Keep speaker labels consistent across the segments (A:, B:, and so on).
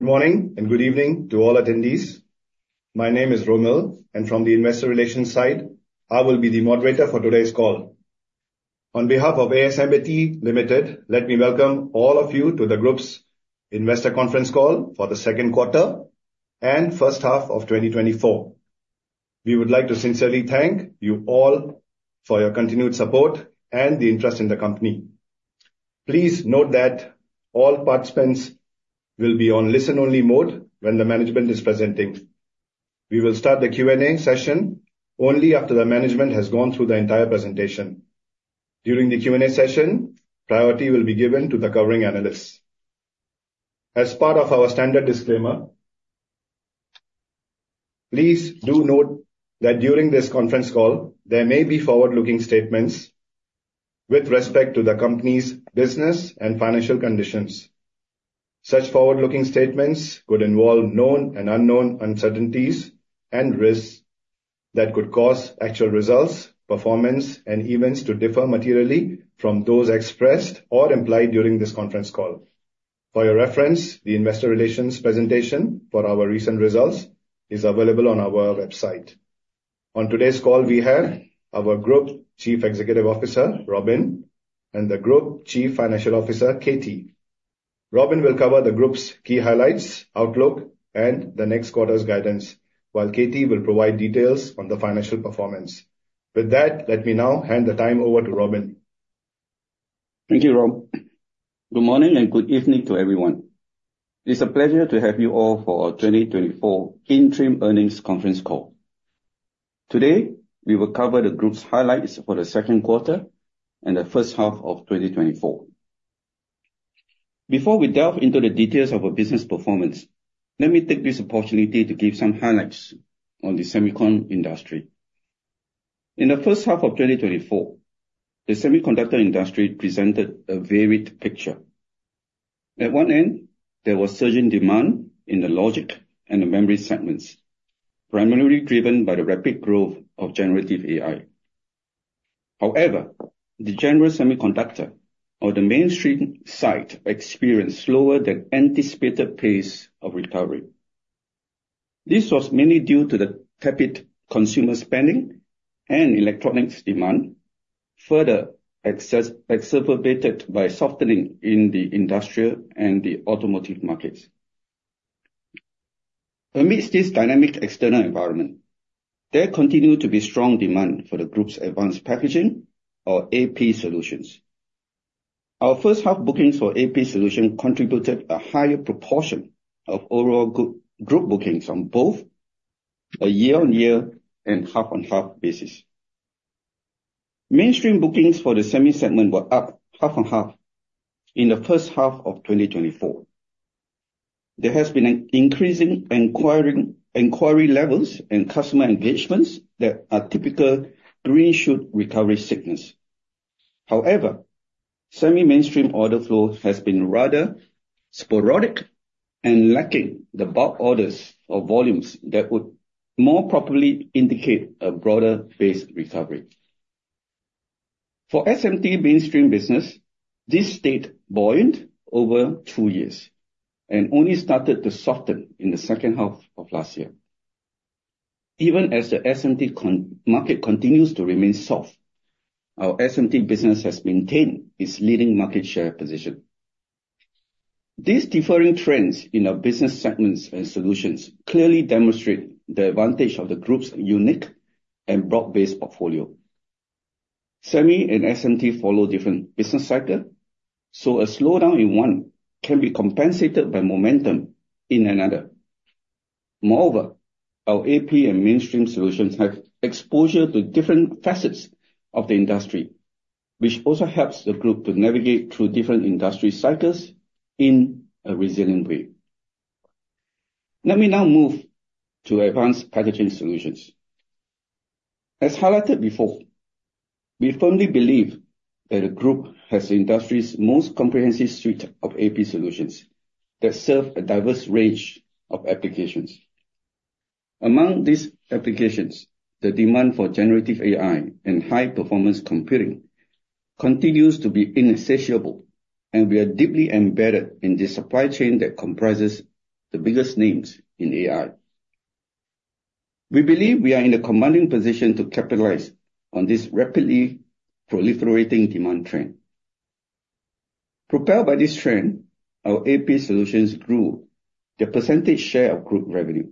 A: Good morning and good evening to all attendees. My name is Raman, and from the investor relations side, I will be the moderator for today's call. On behalf of ASMPT Limited, let me welcome all of you to the group's investor conference call for the second quarter and first half of 2024. We would like to sincerely thank you all for your continued support and the interest in the company. Please note that all participants will be on listen-only mode when the management is presenting. We will start the Q&A session only after the management has gone through the entire presentation. During the Q&A session, priority will be given to the covering analysts. As part of our standard disclaimer, please do note that during this conference call, there may be forward-looking statements with respect to the company's business and financial conditions. Such forward-looking statements could involve known and unknown uncertainties and risks that could cause actual results, performance, and events to differ materially from those expressed or implied during this conference call. For your reference, the investor relations presentation for our recent results is available on our website. On today's call, we have our Group Chief Executive Officer, Robin, and the Group Chief Financial Officer, Katie. Robin will cover the Group's key highlights, outlook, and the next quarter's guidance, while Katie will provide details on the financial performance. With that, let me now hand the time over to Robin.
B: Thank you, Ram. Good morning and good evening to everyone. It's a pleasure to have you all for our 2024 interim earnings conference call. Today, we will cover the Group's highlights for the second quarter and the first half of 2024. Before we delve into the details of our business performance, let me take this opportunity to give some highlights on the semiconductor industry. In the first half of 2024, the semiconductor industry presented a varied picture. At one end, there was surging demand in the logic and the memory segments, primarily driven by the rapid growth of generative AI. However, the general semiconductor or the mainstream side experienced slower than anticipated pace of recovery. This was mainly due to the tepid consumer spending and electronics demand, further exacerbated by softening in the industrial and the automotive markets. Amidst this dynamic external environment, there continued to be strong demand for the Group's advanced packaging, or AP solutions. Our first half bookings for AP solution contributed a higher proportion of overall Group bookings on both a year-on-year and half-on-half basis. Mainstream bookings for the Semi segment were up half-on-half in the first half of 2024. There has been an increasing inquiry levels and customer engagements that are typical green shoot recovery signals. However, Semi mainstream order flow has been rather sporadic and lacking the bulk orders or volumes that would more properly indicate a broader-based recovery. For SMT mainstream business, this state boiled over two years and only started to soften in the second half of last year. Even as the SMT consumer market continues to remain soft, our SMT business has maintained its leading market share position. These differing trends in our business segments and solutions clearly demonstrate the advantage of the Group's unique and broad-based portfolio. Semi and SMT follow different business cycles, so a slowdown in one can be compensated by momentum in another. Moreover, our AP and mainstream solutions have exposure to different facets of the industry, which also helps the Group to navigate through different industry cycles in a resilient way. Let me now move to advanced packaging solutions. As highlighted before, we firmly believe that the Group has the industry's most comprehensive suite of AP solutions that serve a diverse range of applications. Among these applications, the demand for generative AI and high-performance computing continues to be insatiable, and we are deeply embedded in the supply chain that comprises the biggest names in AI. We believe we are in a commanding position to capitalize on this rapidly proliferating demand trend. Propelled by this trend, our AP solutions grew the percentage share of group revenue.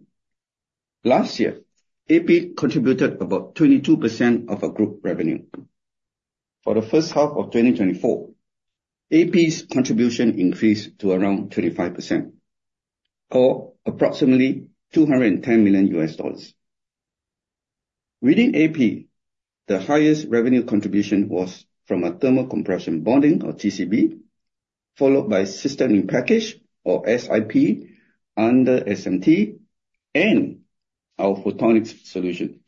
B: Last year, AP contributed about 22% of our group revenue. For the first half of 2024, AP's contribution increased to around 25%, or approximately $210 million. Within AP, the highest revenue contribution was from thermo-compression bonding, or TCB, followed by system-in-package, or SIP, under SMT and our photonics solution.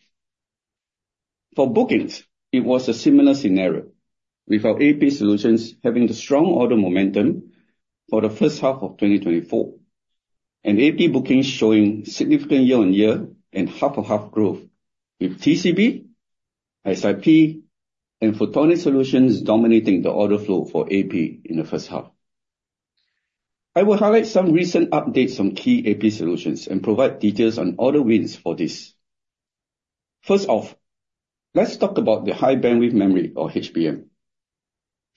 B: For bookings, it was a similar scenario, with our AP solutions having the strong order momentum for the first half of 2024, and AP bookings showing significant year-on-year and half-on-half growth, with TCB, SIP and photonic solutions dominating the order flow for AP in the first half. I will highlight some recent updates on key AP solutions and provide details on order wins for this. First off, let's talk about the high bandwidth memory, or HBM.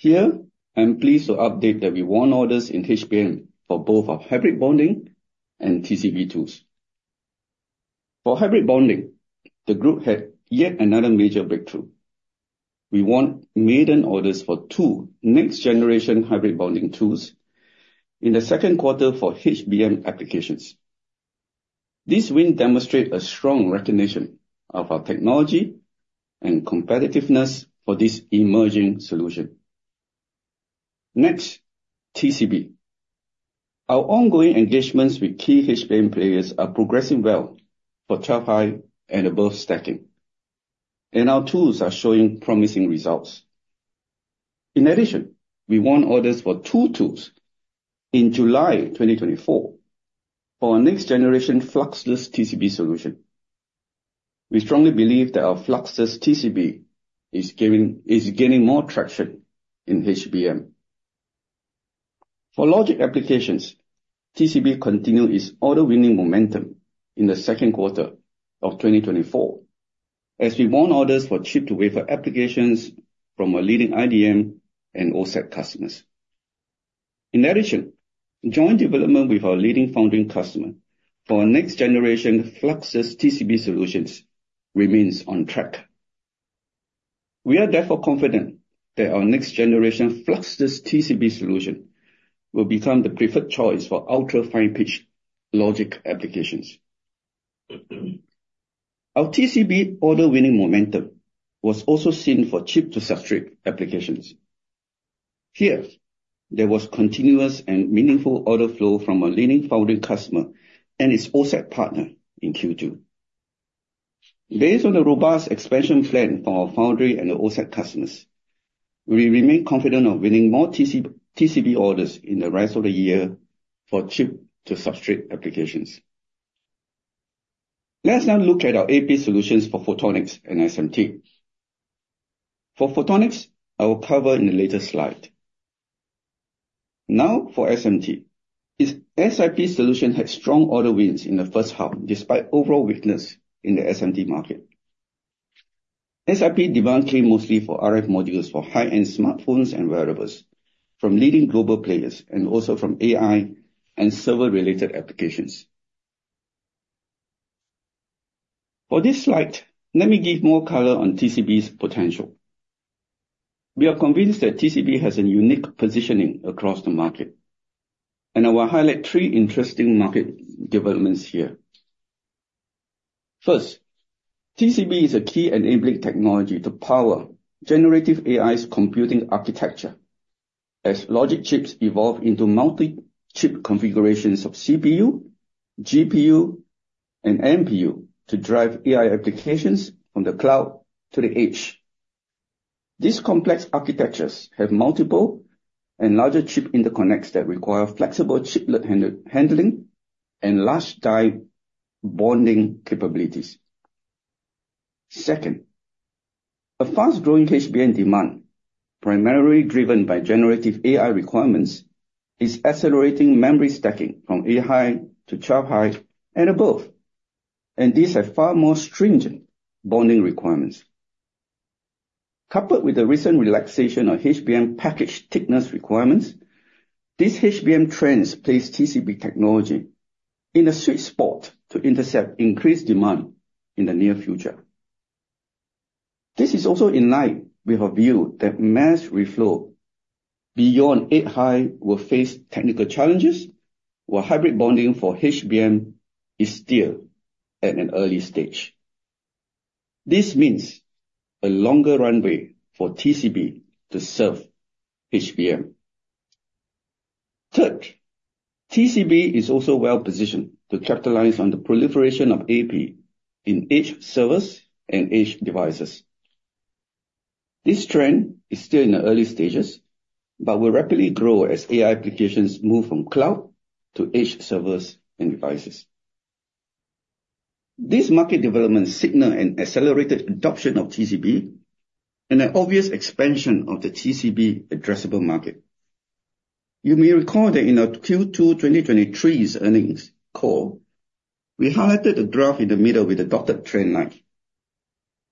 B: Here, I'm pleased to update that we won orders in HBM for both our hybrid bonding and TCB tools. For hybrid bonding, the group had yet another major breakthrough. We won maiden orders for two next-generation hybrid bonding tools in the second quarter for HBM applications. This win demonstrate a strong recognition of our technology and competitiveness for this emerging solution. Next, TCB. Our ongoing engagements with key HBM players are progressing well for 12-high and above stacking, and our tools are showing promising results. In addition, we won orders for two tools in July 2024 for our next-generation fluxless TCB solution. We strongly believe that our fluxless TCB is gaining more traction in HBM. For logic applications, TCB continued its order winning momentum in the second quarter of 2024, as we won orders for chip-to-wafer applications from our leading IDM and OSAT customers. In addition, joint development with our leading foundry customer for our next-generation fluxless TCB solutions remains on track. We are therefore confident that our next-generation fluxless TCB solution will become the preferred choice for ultra-fine-pitch logic applications. Our TCB order winning momentum was also seen for chip-to-substrate applications. Here, there was continuous and meaningful order flow from our leading foundry customer and its OSAT partner in Q2. Based on the robust expansion plan for our foundry and OSAT customers, we remain confident of winning more TCB orders in the rest of the year for chip-to-substrate applications. Let's now look at our AP solutions for photonics and SMT. For photonics, I will cover in a later slide. Now, for SMT, its SIP solution had strong order wins in the first half, despite overall weakness in the SMT market. SIP demand came mostly for RF modules, for high-end smartphones and wearables from leading global players, and also from AI and server-related applications. For this slide, let me give more color on TCB's potential. We are convinced that TCB has a unique positioning across the market, and I will highlight three interesting market developments here. First, TCB is a key enabling technology to power generative AI's computing architecture as logic chips evolve into multi-chip configurations of CPU, GPU, and NPU to drive AI applications from the cloud to the edge. These complex architectures have multiple and larger chip interconnects that require flexible chiplet handling, and large die bonding capabilities. Second, a fast-growing HBM demand, primarily driven by generative AI requirements, is accelerating memory stacking from 8 high to 12 high and above, and these have far more stringent bonding requirements. Coupled with the recent relaxation of HBM package thickness requirements, these HBM trends place TCB technology in a sweet spot to intercept increased demand in the near future. This is also in line with our view that mass reflow beyond 8 high will face technical challenges, while hybrid bonding for HBM is still at an early stage. This means a longer runway for TCB to serve HBM. Third, TCB is also well-positioned to capitalize on the proliferation of AP in edge servers and edge devices. This trend is still in the early stages, but will rapidly grow as AI applications move from cloud to edge servers and devices. These market developments signal an accelerated adoption of TCB and an obvious expansion of the TCB addressable market. You may recall that in our Q2 2023 earnings call, we highlighted a graph in the middle with the dotted trend line.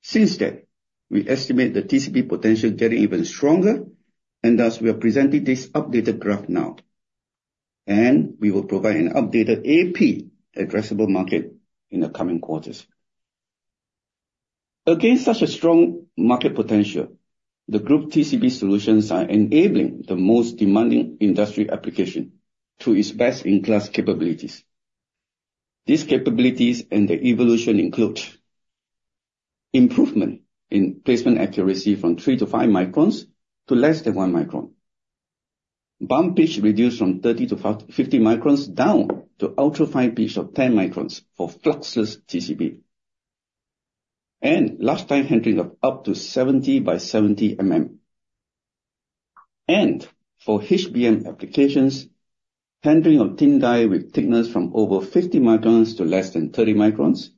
B: Since then, we estimate the TCB potential getting even stronger, and thus, we are presenting this updated graph now, and we will provide an updated AP addressable market in the coming quarters. Against such a strong market potential, the group TCB solutions are enabling the most demanding industry application to its best-in-class capabilities. These capabilities and their evolution include: improvement in placement accuracy from 3 to 5 microns to less than 1 micron, bump pitch reduced from 30 to 50 microns down to ultra fine pitch of 10 microns for fluxless TCB, and large die handling of up to 70 by 70 mm. And for HBM applications, handling of thin die with thickness from over 50 microns to less than 30 microns,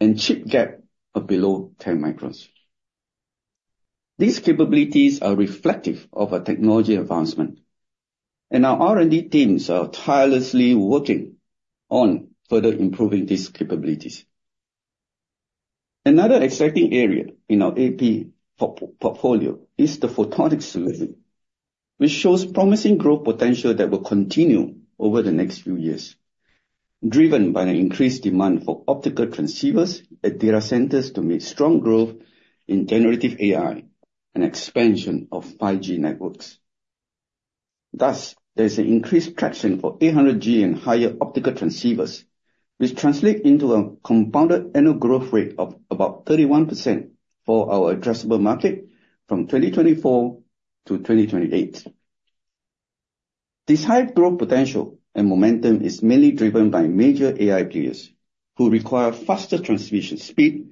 B: and chip gap of below 10 microns. These capabilities are reflective of a technology advancement, and our R&D teams are tirelessly working on further improving these capabilities. Another exciting area in our AP portfolio is the photonic solution, which shows promising growth potential that will continue over the next few years, driven by an increased demand for optical transceivers at data centers to meet strong growth in generative AI and expansion of 5G networks. Thus, there's an increased traction for 800G and higher optical transceivers, which translate into a compounded annual growth rate of about 31% for our addressable market from 2024-2028. This high growth potential and momentum is mainly driven by major AI players, who require faster transmission speed,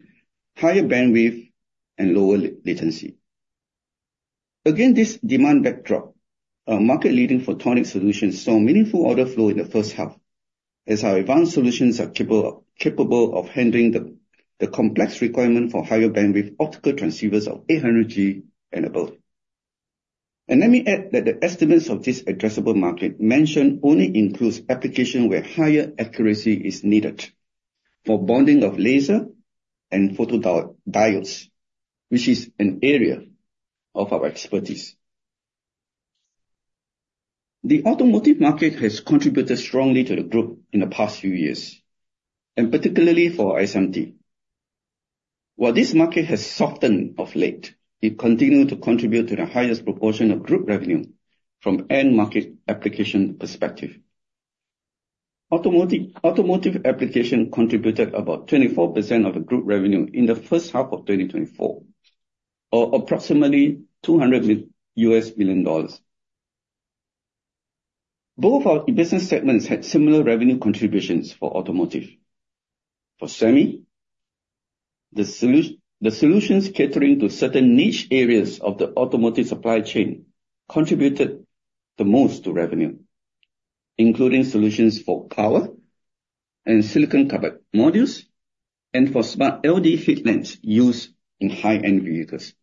B: higher bandwidth, and lower latency. Again, this demand backdrop, our market-leading photonic solution, saw meaningful order flow in the first half, as our advanced solutions are capable of handling the complex requirement for higher bandwidth optical transceivers of 800G and above. And let me add that the estimates of this addressable market mentioned only includes application where higher accuracy is needed for bonding of laser and photodiodes, which is an area of our expertise. The automotive market has contributed strongly to the group in the past few years, and particularly for SMT. While this market has softened of late, it continued to contribute to the highest proportion of group revenue from end market application perspective. Automotive applications contributed about 24% of the group revenue in the first half of 2024, or approximately $200 million. Both our business segments had similar revenue contributions for automotive. For Semi, the solutions catering to certain niche areas of the automotive supply chain contributed the most to revenue, including solutions for power and silicon carbide modules, and for smart LED heat sinks used in high-end vehicles.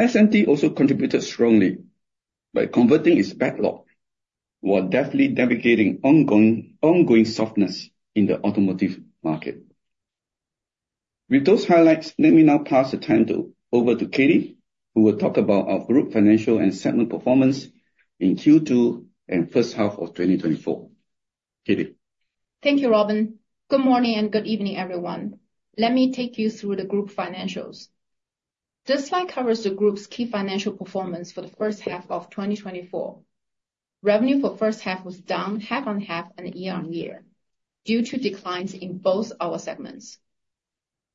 B: SMT also contributed strongly by converting its backlog, while deftly navigating ongoing softness in the automotive market. With those highlights, let me now pass the time over to Katie, who will talk about our group financial and segment performance in Q2 and first half of 2024. Katie?
C: Thank you, Robin. Good morning and good evening, everyone. Let me take you through the group financials. This slide covers the group's key financial performance for the first half of 2024. Revenue for first half was down half-on-half and year-on-year, due to declines in both our segments.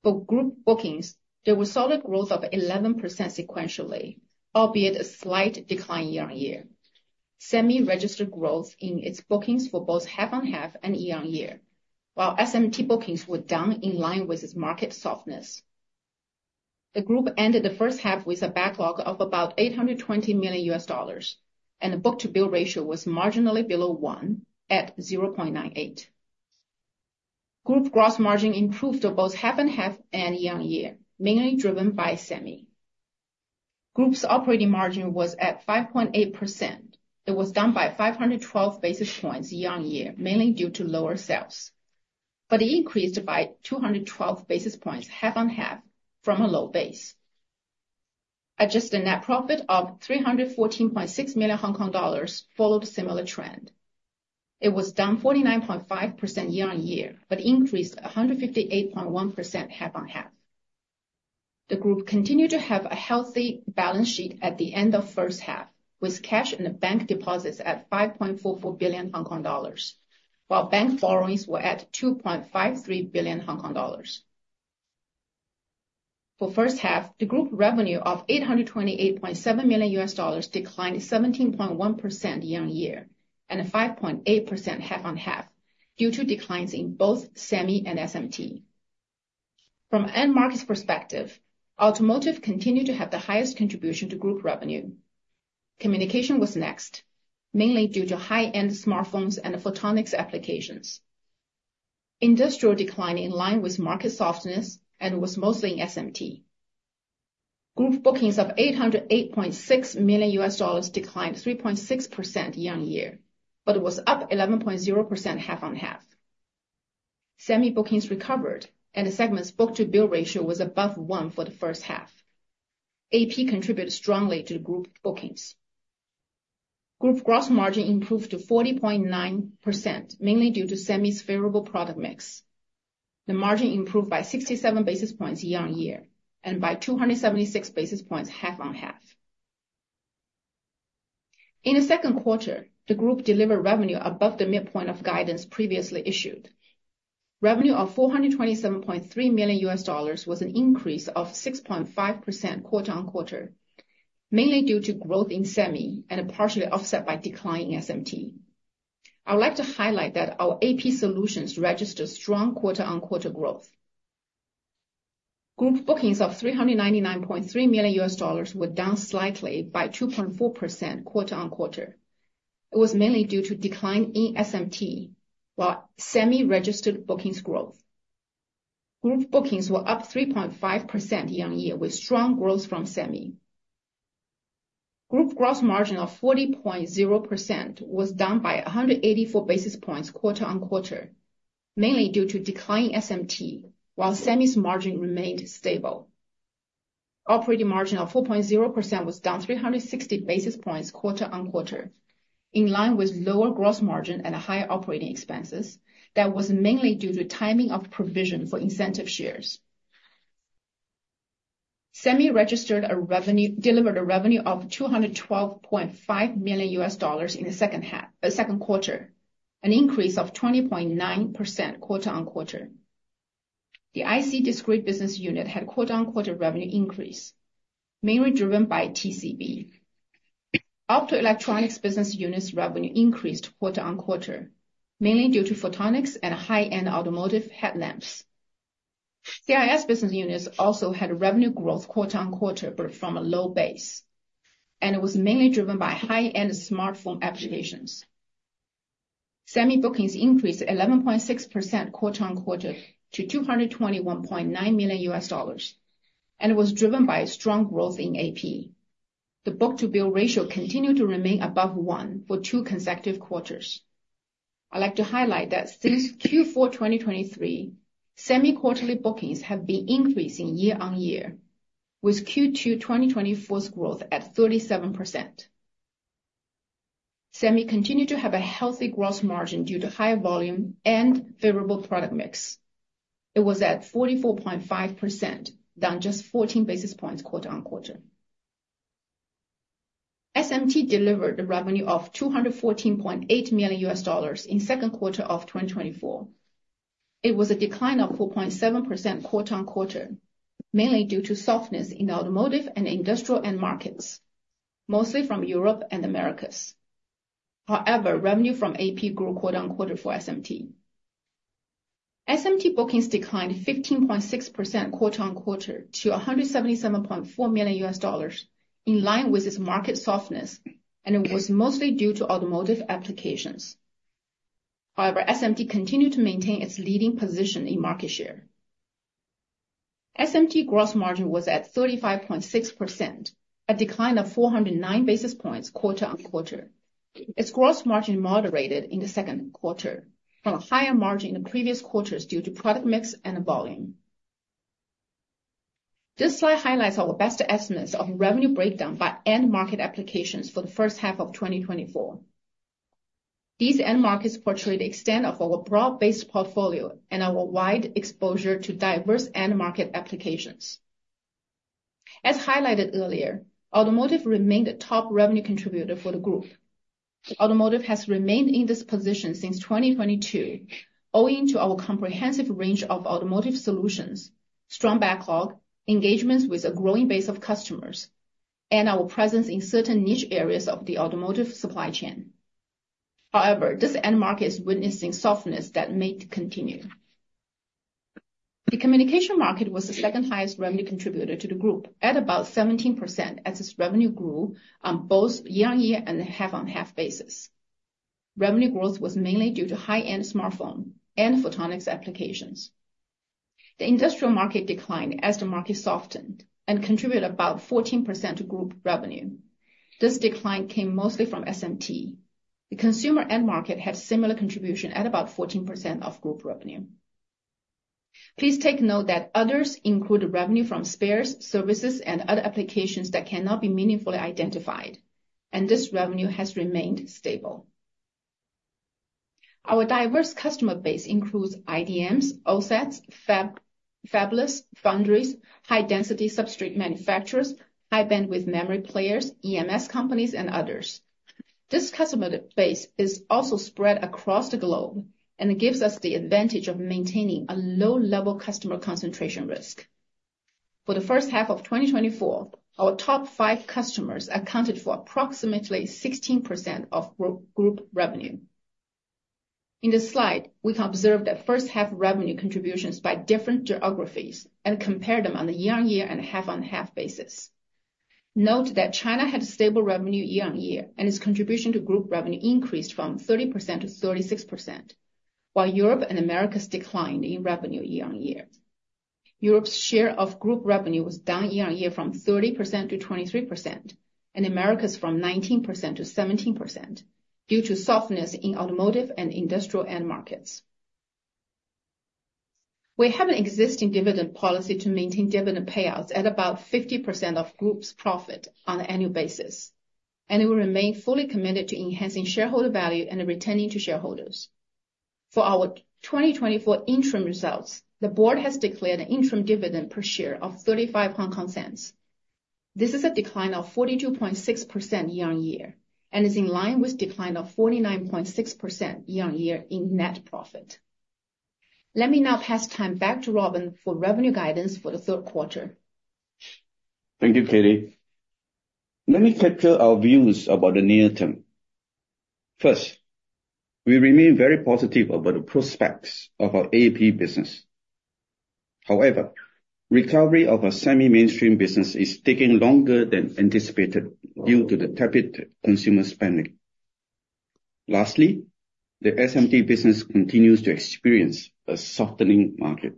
C: For group bookings, there was solid growth of 11% sequentially, albeit a slight decline year-on-year. Semi registered growth in its bookings for both half-on-half and year-on-year, while SMT bookings were down in line with its market softness. The group ended the first half with a backlog of about $820 million, and the book-to-bill ratio was marginally below one, at 0.98. Group gross margin improved to both half-on-half and year-on-year, mainly driven by Semi. Group's operating margin was at 5.8%. It was down by 512 basis points year-on-year, mainly due to lower sales, but increased by 212 basis points half-on-half from a low base. Adjusted net profit of 314.6 million Hong Kong dollars followed a similar trend. It was down 49.5% year-on-year, but increased 158.1% half-on-half. The group continued to have a healthy balance sheet at the end of first half, with cash and bank deposits at 5.44 billion Hong Kong dollars, while bank borrowings were at 2.53 billion Hong Kong dollars. For first half, the group revenue of $828.7 million US dollars declined 17.1% year-on-year, and 5.8% half-on-half, due to declines in both Semi and SMT. From end markets perspective, automotive continued to have the highest contribution to group revenue. Communication was next, mainly due to high-end smartphones and photonics applications. Industrial declined in line with market softness and was mostly in SMT. Group bookings of $808.6 million declined 3.6% year-on-year, but was up 11.0% half-on-half. Semi bookings recovered, and the segment's book-to-bill ratio was above one for the first half. AP contributed strongly to the group bookings. Group gross margin improved to 40.9%, mainly due to Semi's favorable product mix. The margin improved by 67 basis points year-on-year, and by 276 basis points half-on-half. In the second quarter, the group delivered revenue above the midpoint of guidance previously issued. Revenue of $427.3 million was an increase of 6.5% quarter-on-quarter, mainly due to growth in Semi, and partially OSAT by decline in SMT. I would like to highlight that our AP solutions registered strong quarter-on-quarter growth. Group bookings of $399.3 million were down slightly by 2.4% quarter-on-quarter. It was mainly due to decline in SMT, while Semi registered bookings growth. Group bookings were up 3.5% year-on-year, with strong growth from Semi. Group gross margin of 40.0% was down by 184 basis points quarter-on-quarter, mainly due to declining SMT, while Semi's margin remained stable. Operating margin of 4.0% was down 360 basis points quarter-over-quarter, in line with lower gross margin and higher operating expenses. That was mainly due to timing of provision for incentive shares. Semiconductor delivered a revenue of $212.5 million in the second quarter, an increase of 20.9% quarter-over-quarter. The IC discrete business unit had quarter-over-quarter revenue increase, mainly driven by TCB. Optoelectronics business unit's revenue increased quarter-over-quarter, mainly due to photonics and high-end automotive headlamps. CIS business units also had revenue growth quarter-over-quarter, but from a low base, and it was mainly driven by high-end smartphone applications. Semi bookings increased 11.6% quarter-on-quarter to $221.9 million, and it was driven by a strong growth in AP. The book-to-bill ratio continued to remain above 1 for 2 consecutive quarters. I'd like to highlight that since Q4 2023, Semi quarterly bookings have been increasing year-on-year, with Q2 2024's growth at 37%. Semi continued to have a healthy gross margin due to higher volume and favorable product mix. It was at 44.5%, down just 14 basis points quarter-on-quarter. SMT delivered a revenue of $214.8 million in second quarter of 2024. It was a decline of 4.7% quarter-on-quarter, mainly due to softness in the automotive and industrial end markets, mostly from Europe and Americas. However, revenue from AP grew quarter-over-quarter for SMT. SMT bookings declined 15.6% quarter-over-quarter to $177.4 million, in line with its market softness, and it was mostly due to automotive applications. However, SMT continued to maintain its leading position in market share. SMT gross margin was at 35.6%, a decline of 409 basis points quarter-over-quarter. Its gross margin moderated in the second quarter from a higher margin in the previous quarters due to product mix and volume. This slide highlights our best estimates of revenue breakdown by end market applications for the first half of 2024. These end markets portray the extent of our broad-based portfolio and our wide exposure to diverse end market applications. As highlighted earlier, automotive remained the top revenue contributor for the group. Automotive has remained in this position since 2022, owing to our comprehensive range of automotive solutions, strong backlog, engagements with a growing base of customers, and our presence in certain niche areas of the automotive supply chain. However, this end market is witnessing softness that may continue. The communication market was the second highest revenue contributor to the group at about 17%, as its revenue grew on both year-on-year and half-on-half basis. Revenue growth was mainly due to high-end smartphone and photonics applications. The industrial market declined as the market softened and contributed about 14% to group revenue. This decline came mostly from SMT. The consumer end market had similar contribution at about 14% of group revenue. Please take note that others include revenue from spares, services, and other applications that cannot be meaningfully identified, and this revenue has remained stable. Our diverse customer base includes IDMs, OSATs, fabless, foundries, high-density substrate manufacturers, high-bandwidth memory players, EMS companies, and others. This customer base is also spread across the globe, and it gives us the advantage of maintaining a low-level customer concentration risk. For the first half of 2024, our top 5 customers accounted for approximately 16% of group revenue. In this slide, we can observe the first half revenue contributions by different geographies and compare them on a year-on-year and half-on-half basis. Note that China had a stable revenue year-on-year, and its contribution to group revenue increased from 30% to 36%, while Europe and Americas declined in revenue year-on-year. Europe's share of group revenue was down year-on-year from 30% to 23%, and Americas from 19% to 17%, due to softness in automotive and industrial end markets. We have an existing dividend policy to maintain dividend payouts at about 50% of group's profit on an annual basis, and it will remain fully committed to enhancing shareholder value and returning to shareholders. For our 2024 interim results, the board has declared an interim dividend per share of HK$0.35. This is a decline of 42.6% year-on-year, and is in line with decline of 49.6% year-on-year in net profit. Let me now pass time back to Robin for revenue guidance for the third quarter.
B: Thank you, Katie. Let me capture our views about the near term. First, we remain very positive about the prospects of our AP business. However, recovery of our semi-mainstream business is taking longer than anticipated due to the tepid consumer spending. Lastly, the SMT business continues to experience a softening market.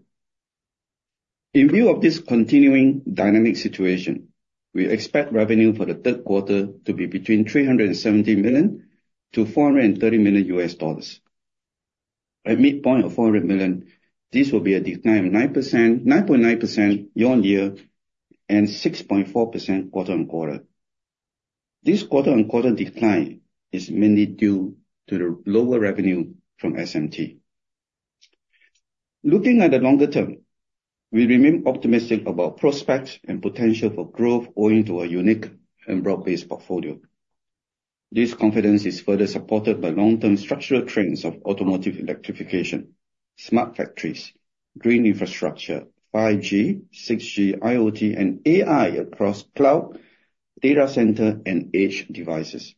B: In view of this continuing dynamic situation, we expect revenue for the third quarter to be between $370 million-$430 million. At midpoint of $400 million, this will be a decline of 9%, 9.9% year-on-year and 6.4% quarter-on-quarter. This quarter-on-quarter decline is mainly due to the lower revenue from SMT. Looking at the longer term, we remain optimistic about prospects and potential for growth owing to our unique and broad-based portfolio. This confidence is further supported by long-term structural trends of automotive electrification, smart factories, green infrastructure, 5G, 6G, IoT, and AI across cloud, data center, and edge devices.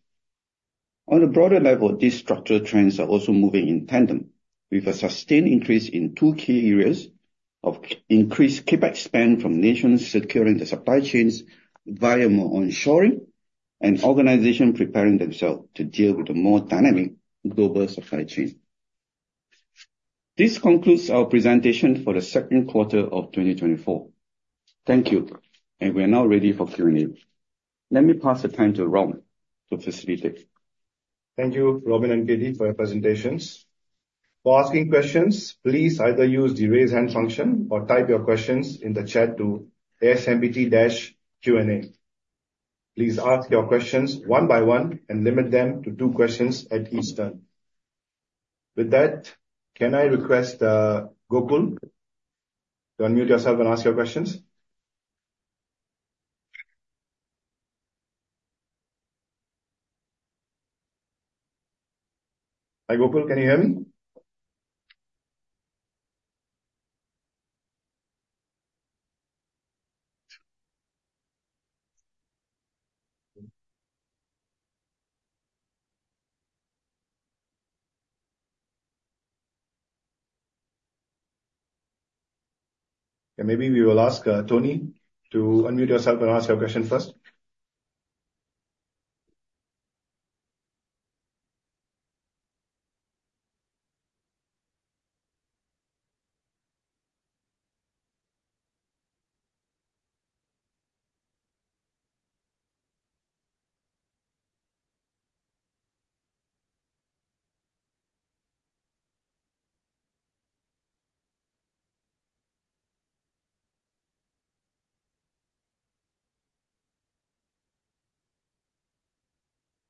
B: On a broader level, these structural trends are also moving in tandem with a sustained increase in two key areas of increased CapEx spend from nations securing the supply chains via more onshoring and organization preparing themselves to deal with a more dynamic global supply chain. This concludes our presentation for the second quarter of 2024. Thank you, and we are now ready for Q&A. Let me pass the time to Raman to facilitate.
A: Thank you, Robin and Katie, for your presentations. For asking questions, please either use the Raise Hand function or type your questions in the chat to ASMPT-Q&A. Please ask your questions one by one and limit them to two questions at each turn. With that, can I request Gokul to unmute yourself and ask your questions? Hi, Gokul, can you hear me? And maybe we will ask Tony to unmute yourself and ask your question first.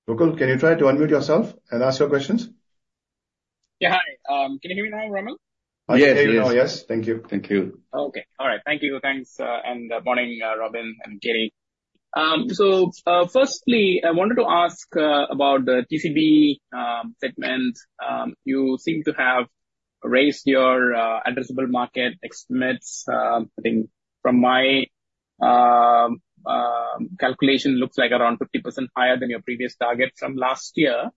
A: Gokul, can you try to unmute yourself and ask your questions?
D: Yeah. Hi, can you hear me now, Raman?
E: Yes, we can. Oh, yes. Thank you.
B: Thank you.
D: Okay. All right. Thank you. Thanks, and good morning, Robin and Katie. So, firstly, I wanted to ask about the TCB segment. You seem to have raised your addressable market estimates. I think from my calculation, looks like around 50% higher than your previous target from last year.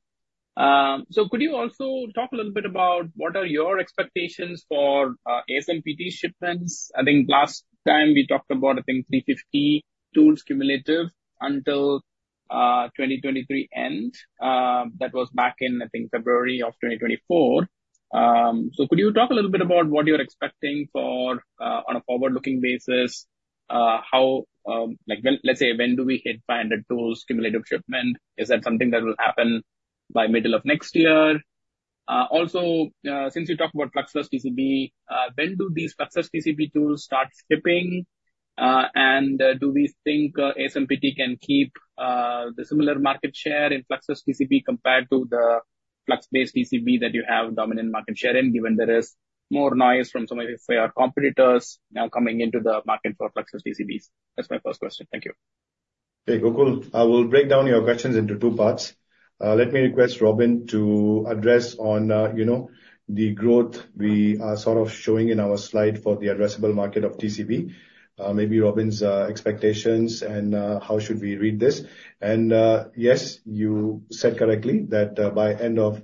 D: So could you also talk a little bit about what are your expectations for ASMPT shipments? I think last time we talked about, I think, 350 tools cumulative until 2023 end. That was back in, I think, February of 2024. So could you talk a little bit about what you're expecting for on a forward-looking basis? How, like, when—let's say, when do we hit 500 tools cumulative shipment? Is that something that will happen by middle of next year? Also, since you talked about fluxless TCB, when do these fluxless TCB tools start shipping? And, do we think, ASMPT can keep, the similar market share in fluxless TCB compared to the flux-based TCB that you have dominant market share in, given there is more noise from some of your competitors now coming into the market for fluxless TCBs? That's my first question. Thank you.
E: Hey, Gokul, I will break down your questions into two parts. Let me request Robin to address on, you know, the growth we are sort of showing in our slide for the addressable market of TCB. Maybe Robin's expectations and how should we read this? And yes, you said correctly that by end of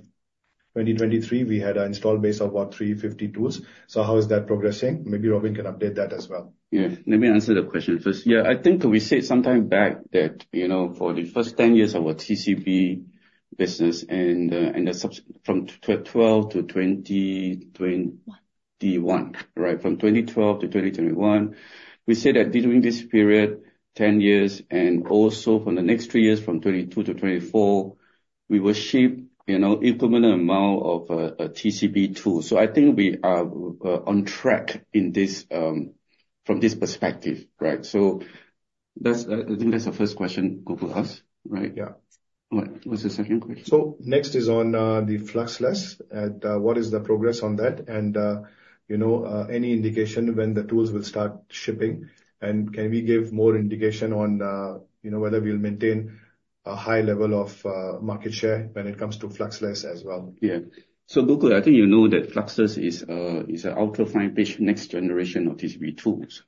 E: 2023, we had an installed base of about 350 tools. So how is that progressing? Maybe Robin can update that as well.
B: Yeah. Let me answer the question first. Yeah, I think we said sometime back that, you know, for the first 10 years of our TCB business and, and the from 12 to 2020-
C: One.
B: 21, right? From 2012 to 2021, we said that during this period, 10 years, and also for the next three years, from 2022 to 2024, we will ship, you know, incremental amount of TCB tools. So I think we are on track in this from this perspective, right? So that's, I think, that's the first question Gokul asked, right?
E: Yeah.
B: All right. What's the second question?
E: So next is on the Fluxless and what is the progress on that? And you know any indication when the tools will start shipping? And can we give more indication on you know whether we'll maintain a high level of market share when it comes to Fluxless as well?
B: Yeah. So, Gokul, I think you know that Fluxless is a ultra fine pitch, next generation of TCB tools.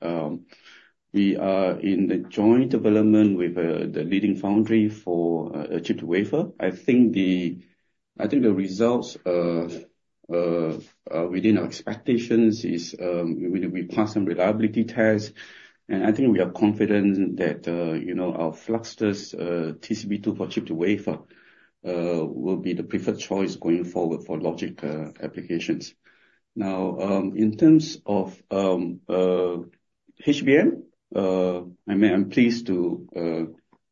B: We are in the joint development with the leading foundry for chip-to-wafer. I think the results within our expectations is, we pass some reliability tests, and I think we are confident that, you know, our Fluxless TCB tool for chip-to-wafer will be the preferred choice going forward for logic applications. Now, in terms of HBM, I mean, I'm pleased to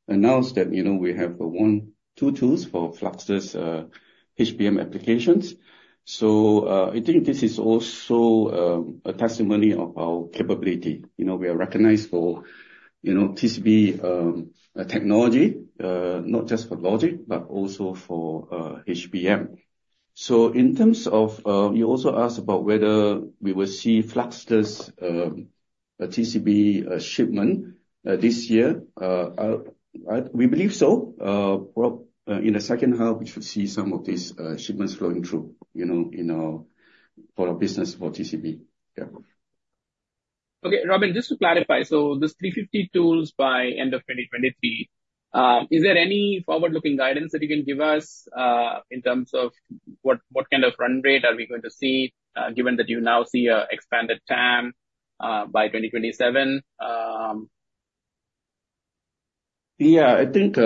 B: announce that, you know, we have won two tools for Fluxless HBM applications. So, I think this is also a testimony of our capability. You know, we are recognized for, you know, TCB technology, not just for logic, but also for HBM. So in terms of, you also asked about whether we will see Fluxless TCB shipment this year. We believe so. Well, in the second half, we should see some of these shipments flowing through, you know, in our, for our business for TCB. Yeah.
D: Okay, Robin, just to clarify, so this 350 tools by end of 2023, is there any forward-looking guidance that you can give us, in terms of what, what kind of run rate are we going to see, given that you now see an expanded TAM, by 2027?
B: Yeah, I think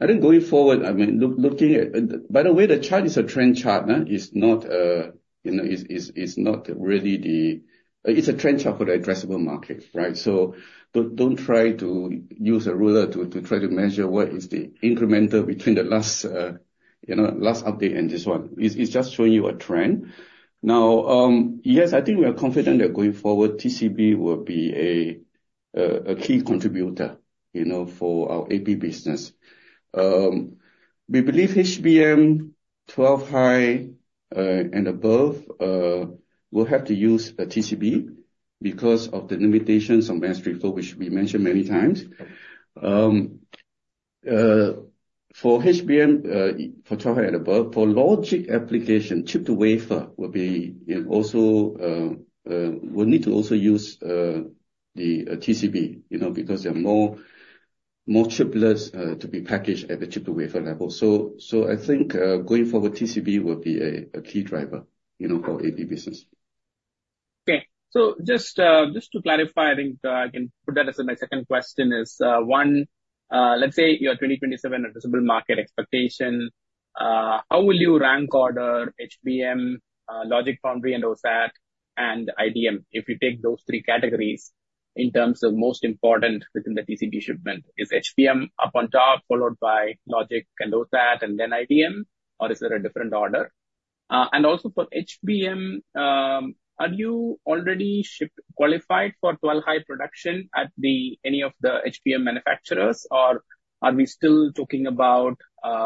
B: I think going forward, I mean, looking at... By the way, the chart is a trend chart. It's not, you know, it's, it's not really the- it's a trend chart for the addressable market, right? So don't try to use a ruler to try to measure what is the incremental between the last, you know, last update and this one. It's just showing you a trend. Now, yes, I think we are confident that going forward, TCB will be a key contributor, you know, for our AP business. We believe HBM 12 high and above will have to use a TCB because of the limitations on mass reflow, which we mentioned many times. For HBM, for 12 high and above, for logic application, chip-to-wafer will be, you know, also, will need to also use the TCB, you know, because there are more, more chips to be packaged at the chip-to-wafer level. So I think, going forward, TCB will be a key driver, you know, for AP business.
D: Okay. So just, just to clarify, I think, I can put that as my second question is, one, let's say your 2027 addressable market expectation, how will you rank order HBM, logic, foundry, and OSAT, and IDM, if you take those three categories in terms of most important within the TCB shipment? Is HBM up on top, followed by logic and OSAT and then IDM, or is there a different order? And also for HBM, are you already ship-qualified for 12-high production at any of the HBM manufacturers? Or are we still talking about,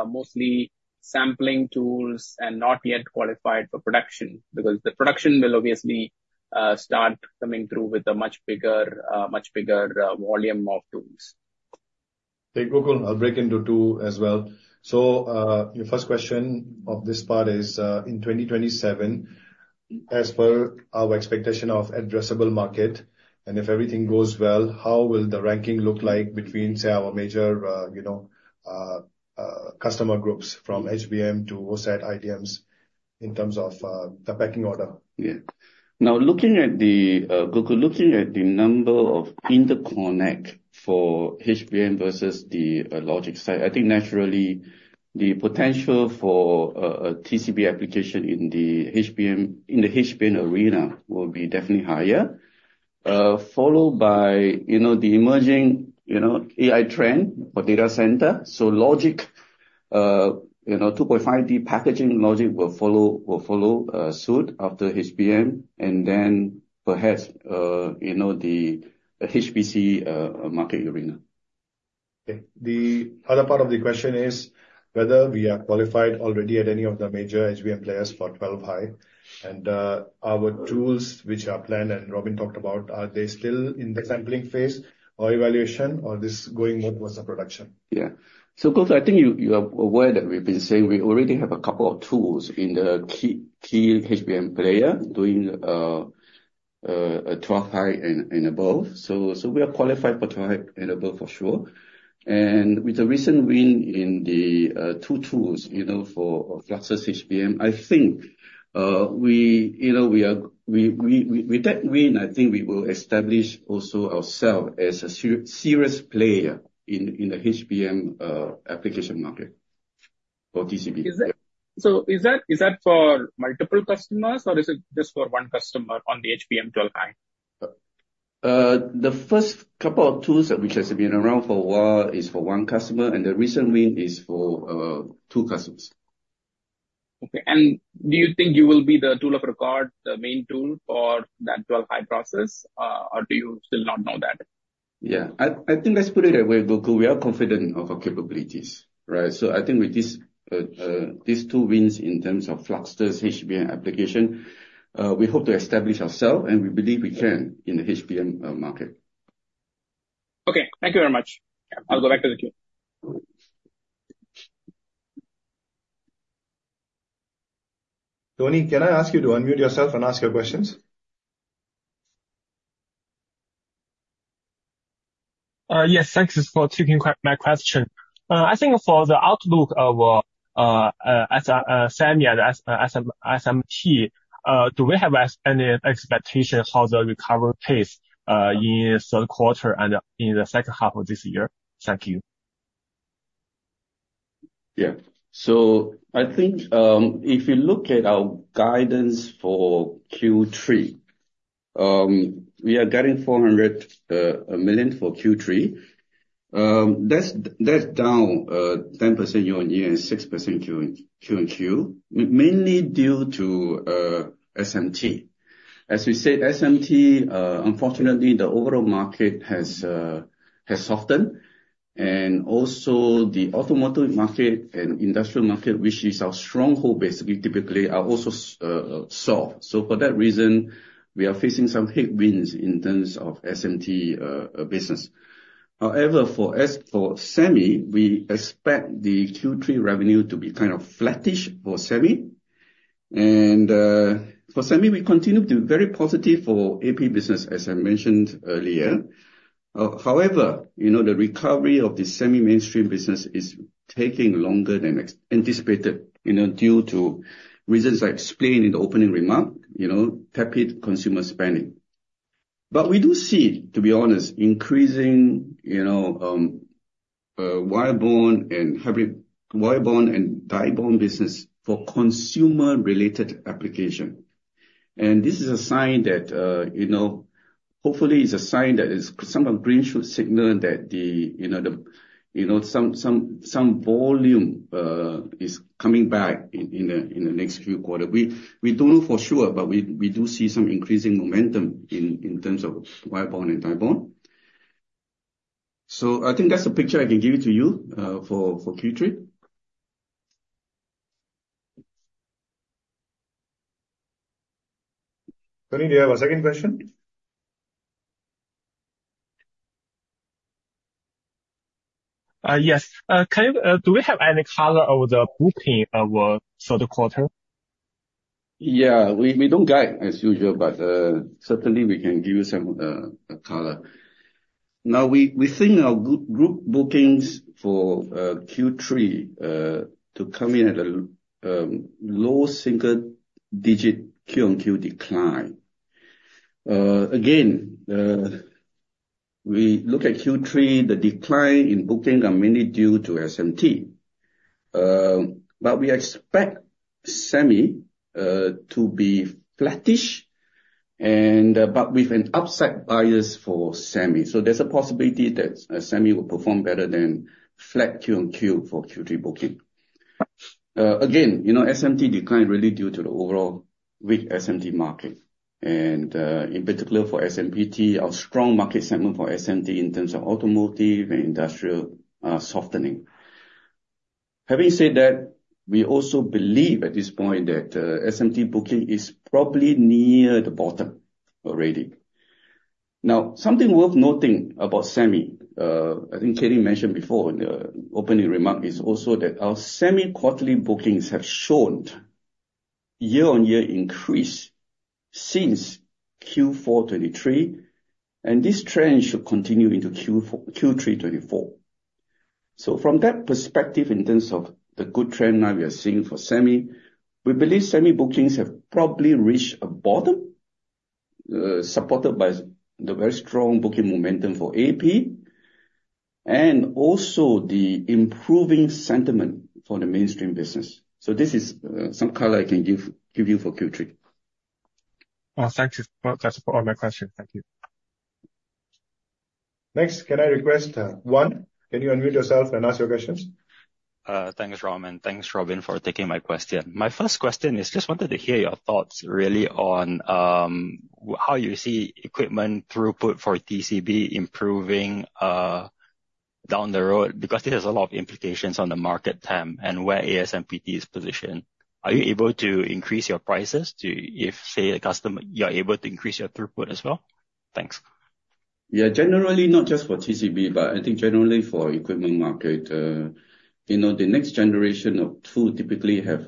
D: mostly sampling tools and not yet qualified for production? Because the production will obviously start coming through with a much bigger, much bigger, volume of tools.
E: Hey, Gokul, I'll break into two as well. So, your first question of this part is, in 2027, as per our expectation of addressable market, and if everything goes well, how will the ranking look like between, say, our major, you know, customer groups, from HBM to OSAT, IDMs, in terms of the pecking order?
B: Yeah. Now, looking at the, Gokul, looking at the number of interconnect for HBM versus the, logic side, I think naturally the potential for, TCB application in the HBM, in the HBM arena will be definitely higher. Followed by, you know, the emerging, you know, AI trend for data center. So logic, you know, 2.5D packaging logic will follow, will follow, suit after HBM, and then perhaps, you know, the HPC, market arena.
E: Okay. The other part of the question is whether we are qualified already at any of the major HBM players for 12 high, and our tools which are planned, and Robin talked about, are they still in the sampling phase, or evaluation, or this going more towards the production?
B: Yeah. So Gokul, I think you are aware that we've been saying we already have a couple of tools in the key HBM player doing a 12-high and above. So we are qualified for 12-high and above, for sure. And with the recent win in the 2 tools, you know, for Fluxless HBM, I think we, you know, we with that win, I think we will establish ourselves as a serious player in the HBM application market for TCB.
D: So, is that for multiple customers, or is it just for one customer on the HBM 12 high?
B: The first couple of tools which has been around for a while is for one customer, and the recent win is for two customers.
D: Okay. And do you think you will be the tool of record, the main tool for that 12 high process, or do you still not know that?
B: Yeah. I, I think let's put it that way, Gokul, we are confident of our capabilities... Right. So I think with this, these two wins in terms of Fluxless TCB's HBM application, we hope to establish ourselves, and we believe we can in the HBM market.
D: Okay, thank you very much. I'll go back to the queue.
A: Tony, can I ask you to unmute yourself and ask your questions?
F: Yes. Thanks for taking my question. I think for the outlook of ASMPT as SMT, do we have any expectations how the recovery pace in third quarter and in the second half of this year? Thank you.
B: Yeah. So I think, if you look at our guidance for Q3, we are getting 400 million for Q3. That's down 10% year-on-year and 6% Q-on-Q, mainly due to SMT. As we said, SMT, unfortunately, the overall market has softened, and also the automotive market and industrial market, which is our stronghold, basically, typically, are also soft. So for that reason, we are facing some headwinds in terms of SMT business. However, for semi, we expect the Q3 revenue to be kind of flattish for semi. And for semi, we continue to be very positive for AP business, as I mentioned earlier. However, you know, the recovery of the semi mainstream business is taking longer than expected, you know, due to reasons I explained in the opening remark, you know, tepid consumer spending. But we do see, to be honest, increasing, you know, wire bond and hybrid, wire bond and die bond business for consumer-related application. And this is a sign that, you know, hopefully it's a sign that it's some green shoots that should signal that the, you know, some volume is coming back in the next few quarters. We don't know for sure, but we do see some increasing momentum in terms of wire bond and die bond. So I think that's the picture I can give to you for Q3.
A: Tony, do you have a second question?
F: Yes. Do we have any color of the booking of the third quarter?
B: Yeah, we don't guide as usual, but certainly we can give you some color. Now, we think our group bookings for Q3 to come in at a low single-digit Q-on-Q decline. Again, we look at Q3, the decline in bookings are mainly due to SMT. But we expect semi to be flattish and but with an upside bias for semi. So there's a possibility that semi will perform better than flat Q-on-Q for Q3 booking. Again, you know, SMT decline really due to the overall weak SMT market, and in particular for SMT, our strong market segment for SMT in terms of automotive and industrial softening. Having said that, we also believe at this point that SMT booking is probably near the bottom already. Now, something worth noting about semi, I think Katie mentioned before in the opening remark, is also that our Semi-quarterly bookings have shown year-on-year increase since Q4 2023, and this trend should continue into Q4-Q3 2024. So from that perspective, in terms of the good trend now we are seeing for semi, we believe semi bookings have probably reached a bottom, supported by the very strong booking momentum for AP and also the improving sentiment for the mainstream business. So this is, some color I can give, give you for Q3.
F: Thank you. That's all my questions. Thank you.
A: Next, can I request, Juan, can you unmute yourself and ask your questions?
G: Thanks, Raman. Thanks, Robin, for taking my question. My first question is just wanted to hear your thoughts really on, how you see equipment throughput for TCB improving, down the road, because it has a lot of implications on the market term and where ASMPT is positioned. Are you able to increase your prices to, if, say, a customer, you are able to increase your throughput as well? Thanks.
B: Yeah, generally, not just for TCB, but I think generally for equipment market, you know, the next generation of two typically have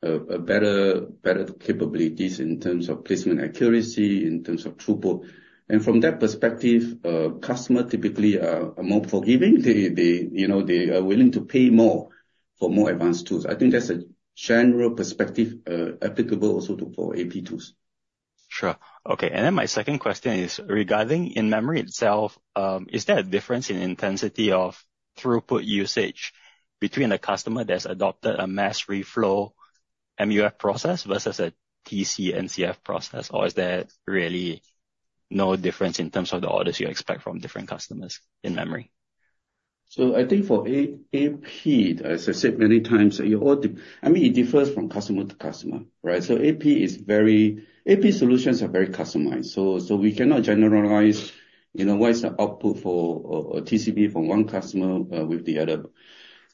B: better capabilities in terms of placement accuracy, in terms of throughput. And from that perspective, customer typically are more forgiving. They, you know, they are willing to pay more for more advanced tools. I think that's a general perspective, applicable also to AP tools.
G: Sure. Okay. And then my second question is regarding in memory itself, is there a difference in intensity of throughput usage between a customer that's adopted a mass reflow MUF process versus a TC NCF process? Or is there really no difference in terms of the orders you expect from different customers in memory?
B: So I think for AP, as I said many times, you ought to-- I mean, it differs from customer to customer, right? So AP is very, AP solutions are very customized, so, so we cannot generalize, you know, what is the output for, TCB from one customer, with the other.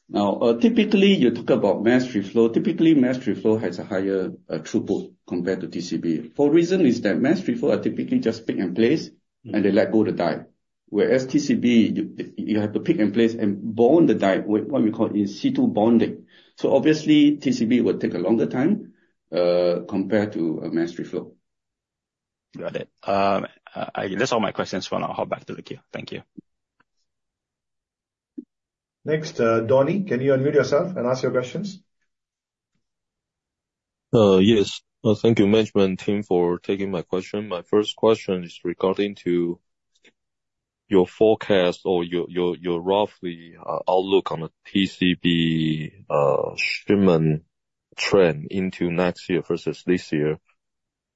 B: Now, typically, you talk about mass reflow. Typically, mass reflow has a higher, throughput compared to TCB. The reason is that mass reflow are typically just pick and place, and they let go the die. Whereas TCB, you have to pick and place and bond the die, with what we call in-situ bonding. So obviously, TCB will take a longer time, compared to a mass reflow.
G: Got it. That's all my questions for now. I'll hop back to the queue. Thank you.
A: Next, Donnie, can you unmute yourself and ask your questions?
H: Yes. Thank you, management team, for taking my question. My first question is regarding to your forecast or your roughly outlook on the TCB shipment trend into next year versus this year.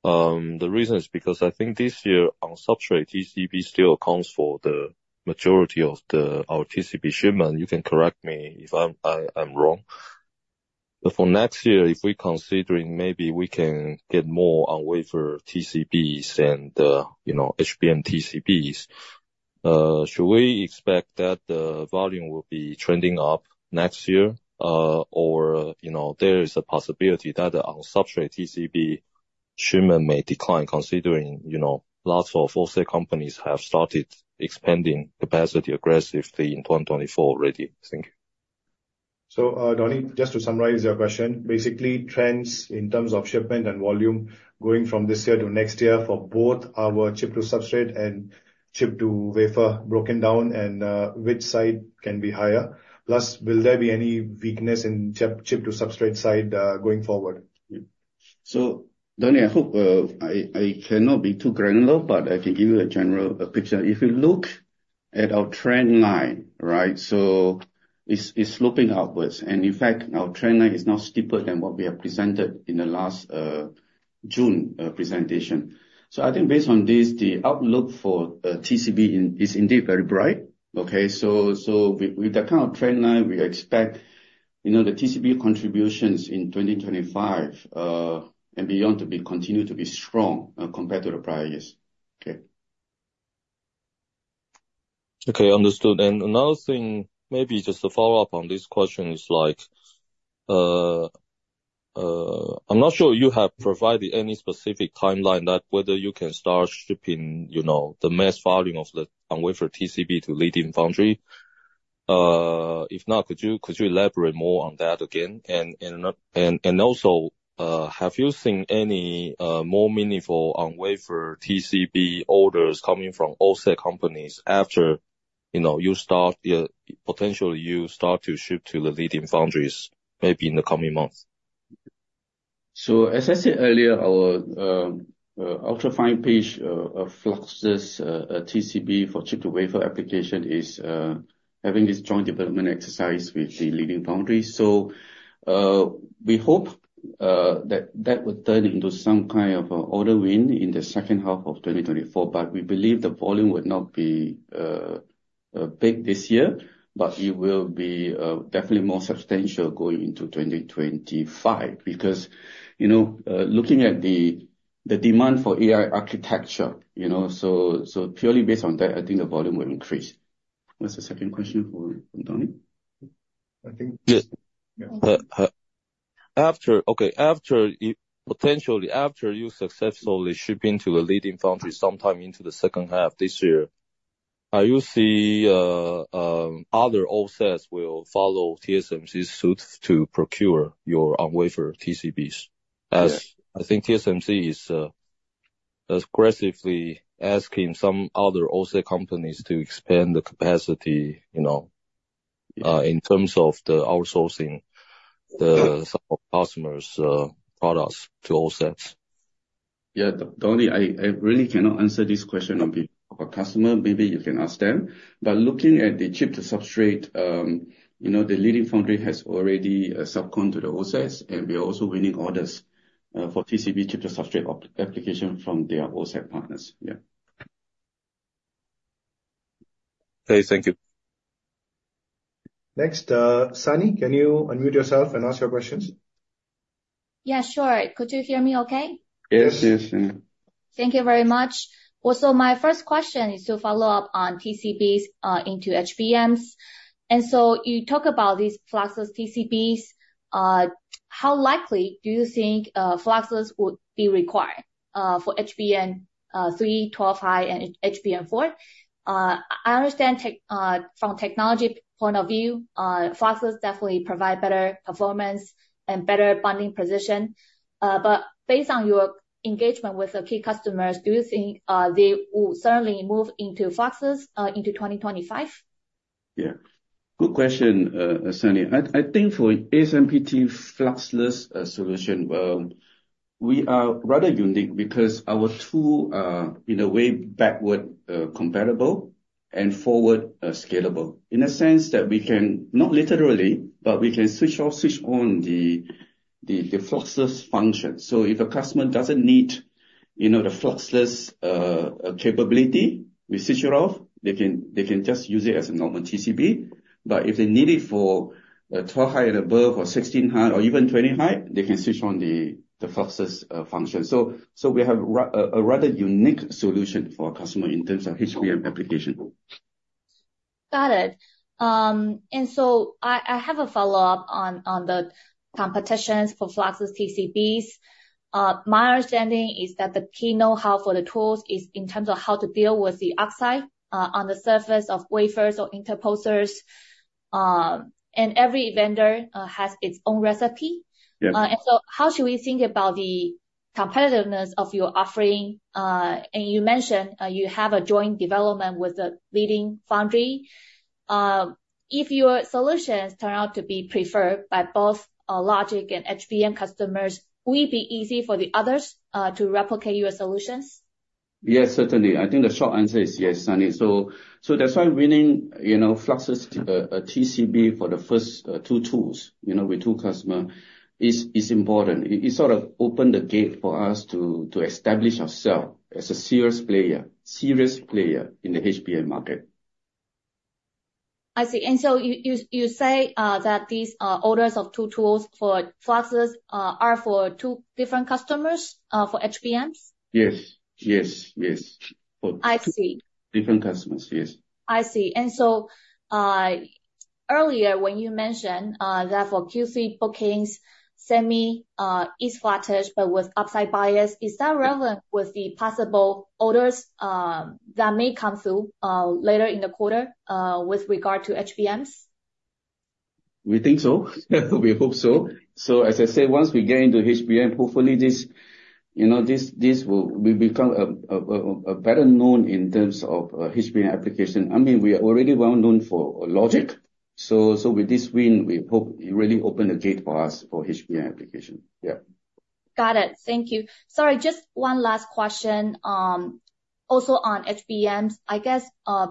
H: The reason is because I think this year, on substrate, TCB still accounts for the majority of our TCB shipment. You can correct me if I'm wrong. But for next year, if we're considering maybe we can get more on-wafer TCBs and, you know, HBM TCBs, should we expect that the volume will be trending up next year? Or, you know, there is a possibility that the on-substrate TCB shipment may decline, considering, you know, lots of offset companies have started expanding capacity aggressively in 2024 already. Thank you.
E: So, Donnie, just to summarize your question, basically, trends in terms of shipment and volume going from this year to next year for both our chip to substrate and chip to wafer, broken down, and which side can be higher. Plus, will there be any weakness in chip to substrate side going forward?
B: So Donnie, I hope I cannot be too granular, but I can give you a general picture. If you look at our trend line, right? So it's sloping upwards, and in fact, our trend line is now steeper than what we have presented in the last June presentation. So I think based on this, the outlook for TCB is indeed very bright, okay? So with that kind of trend line, we expect, you know, the TCB contributions in 2025 and beyond to continue to be strong compared to the prior years. Okay.
H: Okay, understood. And another thing, maybe just to follow up on this question, is like, I'm not sure you have provided any specific timeline that whether you can start shipping, you know, the mass volume of the on-wafer TCB to leading foundry. If not, could you elaborate more on that again? And also, have you seen any more meaningful on-wafer TCB orders coming from OSAT companies after, you know, you start, potentially, you start to ship to the leading foundries, maybe in the coming months?
B: So, as I said earlier, our ultra-fine pitch fluxless TCB for chip-to-wafer application is having this joint development exercise with the leading foundry. So, we hope that that will turn into some kind of order win in the second half of 2024, but we believe the volume would not be big this year, but it will be definitely more substantial going into 2025. Because, you know, looking at the demand for AI architecture, you know, so, so purely based on that, I think the volume will increase. What's the second question from Donnie?
A: I think-
H: Yes.
A: Yeah.
H: After you successfully ship into a leading foundry sometime in the second half this year, do you see other OSATs will follow TSMC's suit to procure your on-wafer TCBs?
B: Yeah.
H: As I think TSMC is aggressively asking some other OSAT companies to expand the capacity, you know, in terms of the outsourcing the customers', products to OSATs.
B: Yeah, Donnie, I really cannot answer this question on behalf of a customer. Maybe you can ask them. But looking at the chip to substrate, you know, the leading foundry has already subcon to the OSATs, and we are also winning orders for TCB chip to substrate application from their OSAT partners. Yeah.
H: Okay, thank you.
A: Next, Sunny, can you unmute yourself and ask your questions?
I: Yeah, sure. Could you hear me okay?
A: Yes, yes, yeah.
I: Thank you very much. Well, so my first question is to follow up on TCBs into HBMs. And so you talk about these fluxless TCBs, how likely do you think fluxless would be required for HBM3 12-high and HBM4? I understand from a technology point of view, fluxless definitely provide better performance and better bonding position. But based on your engagement with the key customers, do you think they will certainly move into fluxless into 2025?
B: Yeah. Good question, Sunny. I think for ASMPT fluxless solution, we are rather unique because our tools are, in a way, backward compatible and forward scalable. In a sense that we can, not literally, but we can switch off, switch on the fluxless function. So if a customer doesn't need, you know, the fluxless capability with switch off, they can, they can just use it as a normal TCB. But if they need it for a 12 high and above, or 16 high or even 20 high, they can switch on the fluxless function. So, so we have a rather unique solution for our customer in terms of HBM application.
I: Got it. And so I have a follow-up on the competitions for Fluxless TCBs. My understanding is that the key know-how for the tools is in terms of how to deal with the oxide on the surface of wafers or interposers. And every vendor has its own recipe.
B: Yes.
I: So how should we think about the competitiveness of your offering? You mentioned you have a joint development with the leading foundry. If your solutions turn out to be preferred by both logic and HBM customers, will it be easy for the others to replicate your solutions?
B: Yes, certainly. I think the short answer is yes, Sunny. So that's why winning, you know, fluxless TCB for the first two tools, you know, with two customers, is important. It sort of opened the gate for us to establish ourselves as a serious player, serious player in the HBM market.
I: I see. And so you say that these orders of two tools for fluxless are for two different customers for HBMs?
B: Yes. Yes, yes, for-
I: I see.
B: Different customers, yes.
I: I see. And so, earlier, when you mentioned that for Q3 bookings, semi is flattish but with upside bias, is that relevant with the possible orders that may come through later in the quarter with regard to HBMs?
B: We think so. We hope so. So as I said, once we get into HBM, hopefully this, you know, this will become a better known in terms of HBM application. I mean, we are already well known for logic, so with this win, we hope it really open the gate for us for HBM application. Yeah.
I: Got it. Thank you. Sorry, just one last question, also on HBMs. I guess,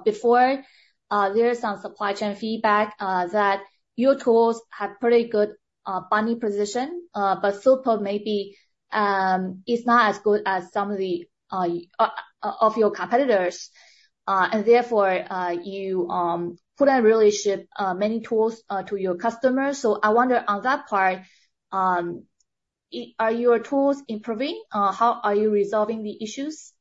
I: before, there are some supply chain feedback, that your tools have pretty good, bonding position, but throughput maybe, is not as good as some of the of your competitors. And therefore, you couldn't really ship, many tools, to your customers. So I wonder, on that part, are your tools improving? How are you resolving the issues?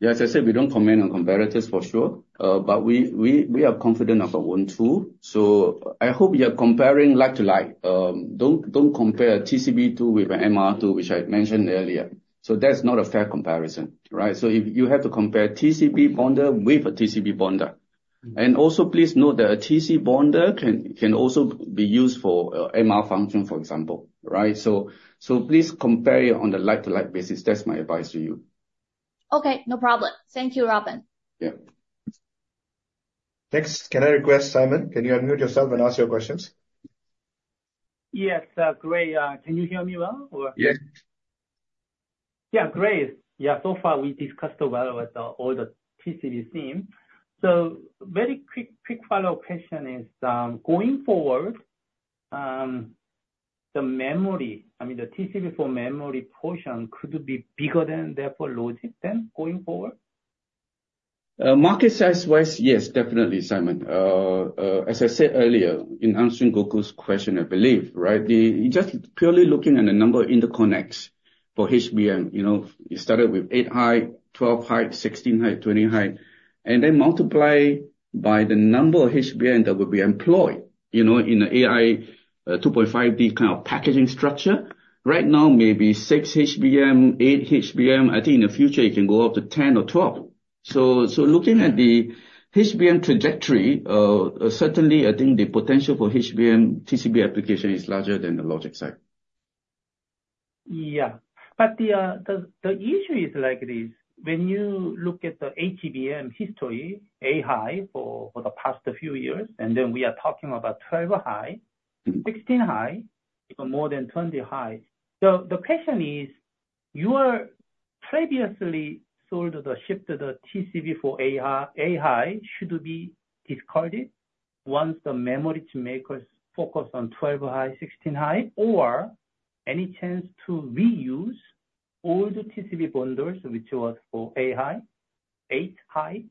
B: Yes, as I said, we don't comment on competitors for sure. But we are confident of our own tool, so I hope you are comparing like to like. Don't compare TCB tool with an MR tool, which I mentioned earlier. So that's not a fair comparison, right? So if you have to compare TCB bonder with a TCB bonder. And also, please note that a TC bonder can also be used for MR function, for example. Right? So please compare it on the like-to-like basis. That's my advice to you.
I: Okay, no problem. Thank you, Robin.
B: Yeah.
A: Next, can I request, Simon, can you unmute yourself and ask your questions?
J: Yes, great. Can you hear me well or-
A: Yes.
J: Yeah, great. Yeah, so far we discussed well with the, all the TCB team. So very quick, quick follow-up question is, going forward, the memory, I mean, the TCB for memory portion, could it be bigger than the logic then, going forward?
B: Market size-wise, yes, definitely, Simon. As I said earlier, in answering Gokul's question, I believe, right? Just purely looking at the number of interconnects for HBM, you know, you started with 8 high, 12 high, 16 high, 20 high, and then multiply by the number of HBM that will be employed, you know, in the AI, 2.5D kind of packaging structure. Right now, maybe 6 HBM, 8 HBM. I think in the future it can go up to 10 or 12. So looking at the HBM trajectory, certainly, I think the potential for HBM TCB application is larger than the logic side.
J: Yeah. But the issue is like this: when you look at the HBM history, 8 high for the past few years, and then we are talking about 12 high-
B: Mm-hmm...
J: 16 high, even more than 20 high. So the question is, you are previously sold or shipped the TCB for 8 high, 8 high, should it be discarded once the memory makers focus on 12 high, 16 high? Or any chance to reuse all the TCB bonders, which was for 8 high, 8 high?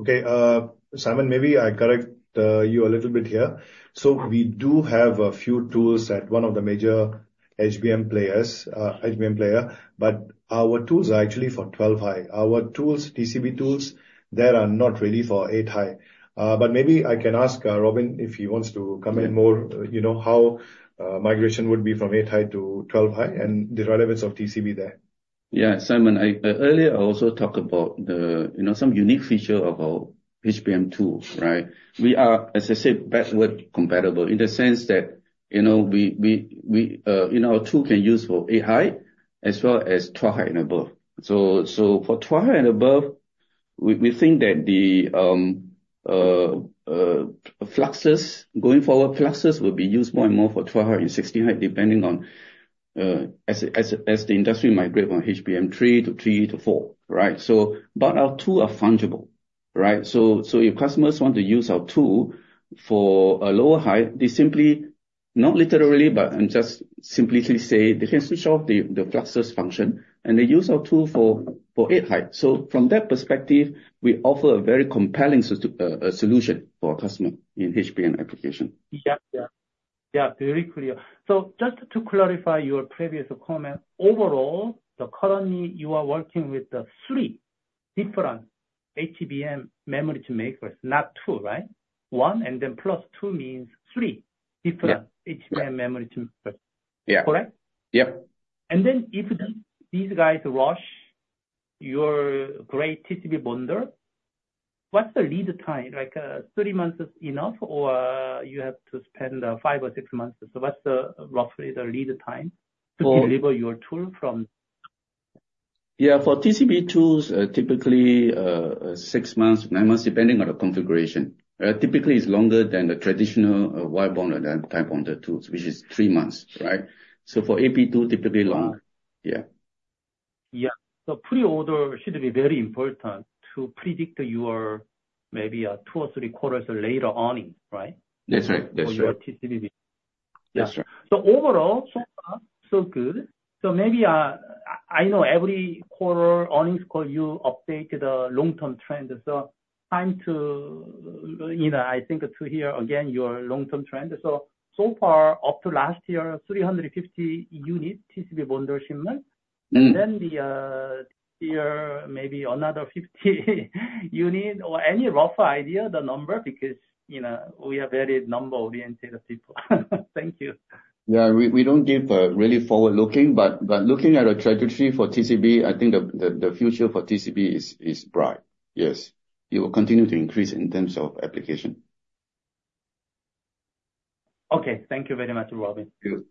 E: Okay, Simon, maybe I correct you a little bit here. So we do have a few tools at one of the major HBM players, HBM player, but our tools are actually for 12 high. Our tools, TCB tools, they are not really for 8 high. But maybe I can ask Robin if he wants to comment more, you know, how migration would be from 8 high to 12 high, and the relevance of TCB there.
B: Yeah, Simon, I... Earlier, I also talked about the, you know, some unique feature about HBM tools, right? We are, as I said, backward compatible in the sense that, you know, our tool can use for 8 high as well as 12 high and above. So, for 12 high and above, we think that the fluxes, going forward, fluxes will be used more and more for 12 high and 16 high, depending on as the industry migrate from HBM3 to 3 to 4, right? So but our tool are fungible... Right? So, if customers want to use our tool for a lower height, they simply, not literally, but, and just simply say, they can switch off the fluxless function, and they use our tool for 8 high. So from that perspective, we offer a very compelling solution for our customer in HBM application.
J: Yeah, yeah. Yeah, very clear. So just to clarify your previous comment, overall, the currently you are working with the three different HBM memory makers, not two, right? One, and then plus two means three-
B: Yeah.
J: different HBM memory makers.
B: Yeah.
J: Correct?
B: Yep.
J: And then if these guys rush your great TCB bonder, what's the lead time? Like, three months is enough, or you have to spend five or six months? So what's roughly the lead time-
B: For-
J: -to deliver your tool from?
B: Yeah, for TCB tools, typically, 6 months, 9 months, depending on the configuration. Typically it's longer than the traditional wire bonder and die bonder tools, which is 3 months, right? So for AP tool typically long. Yeah.
J: Yeah. The pre-order should be very important to predict your maybe two or three quarters later earnings, right?
B: That's right. That's right.
J: For your TCB.
B: Yes, sir.
J: So overall, so far, so good. So maybe, I know every quarter, earnings call, you update the long-term trend. So time to, you know, I think to hear again, your long-term trend. So, so far, up to last year, 350 units TCB bonder shipment.
B: Mm-hmm.
J: And then the year, maybe another 50 unit or any rough idea the number, because, you know, we are very number-oriented people. Thank you.
B: Yeah. We don't give really forward-looking, but looking at the trajectory for TCB, I think the future for TCB is bright. Yes. It will continue to increase in terms of application.
J: Okay. Thank you very much, Robin.
B: Thank you.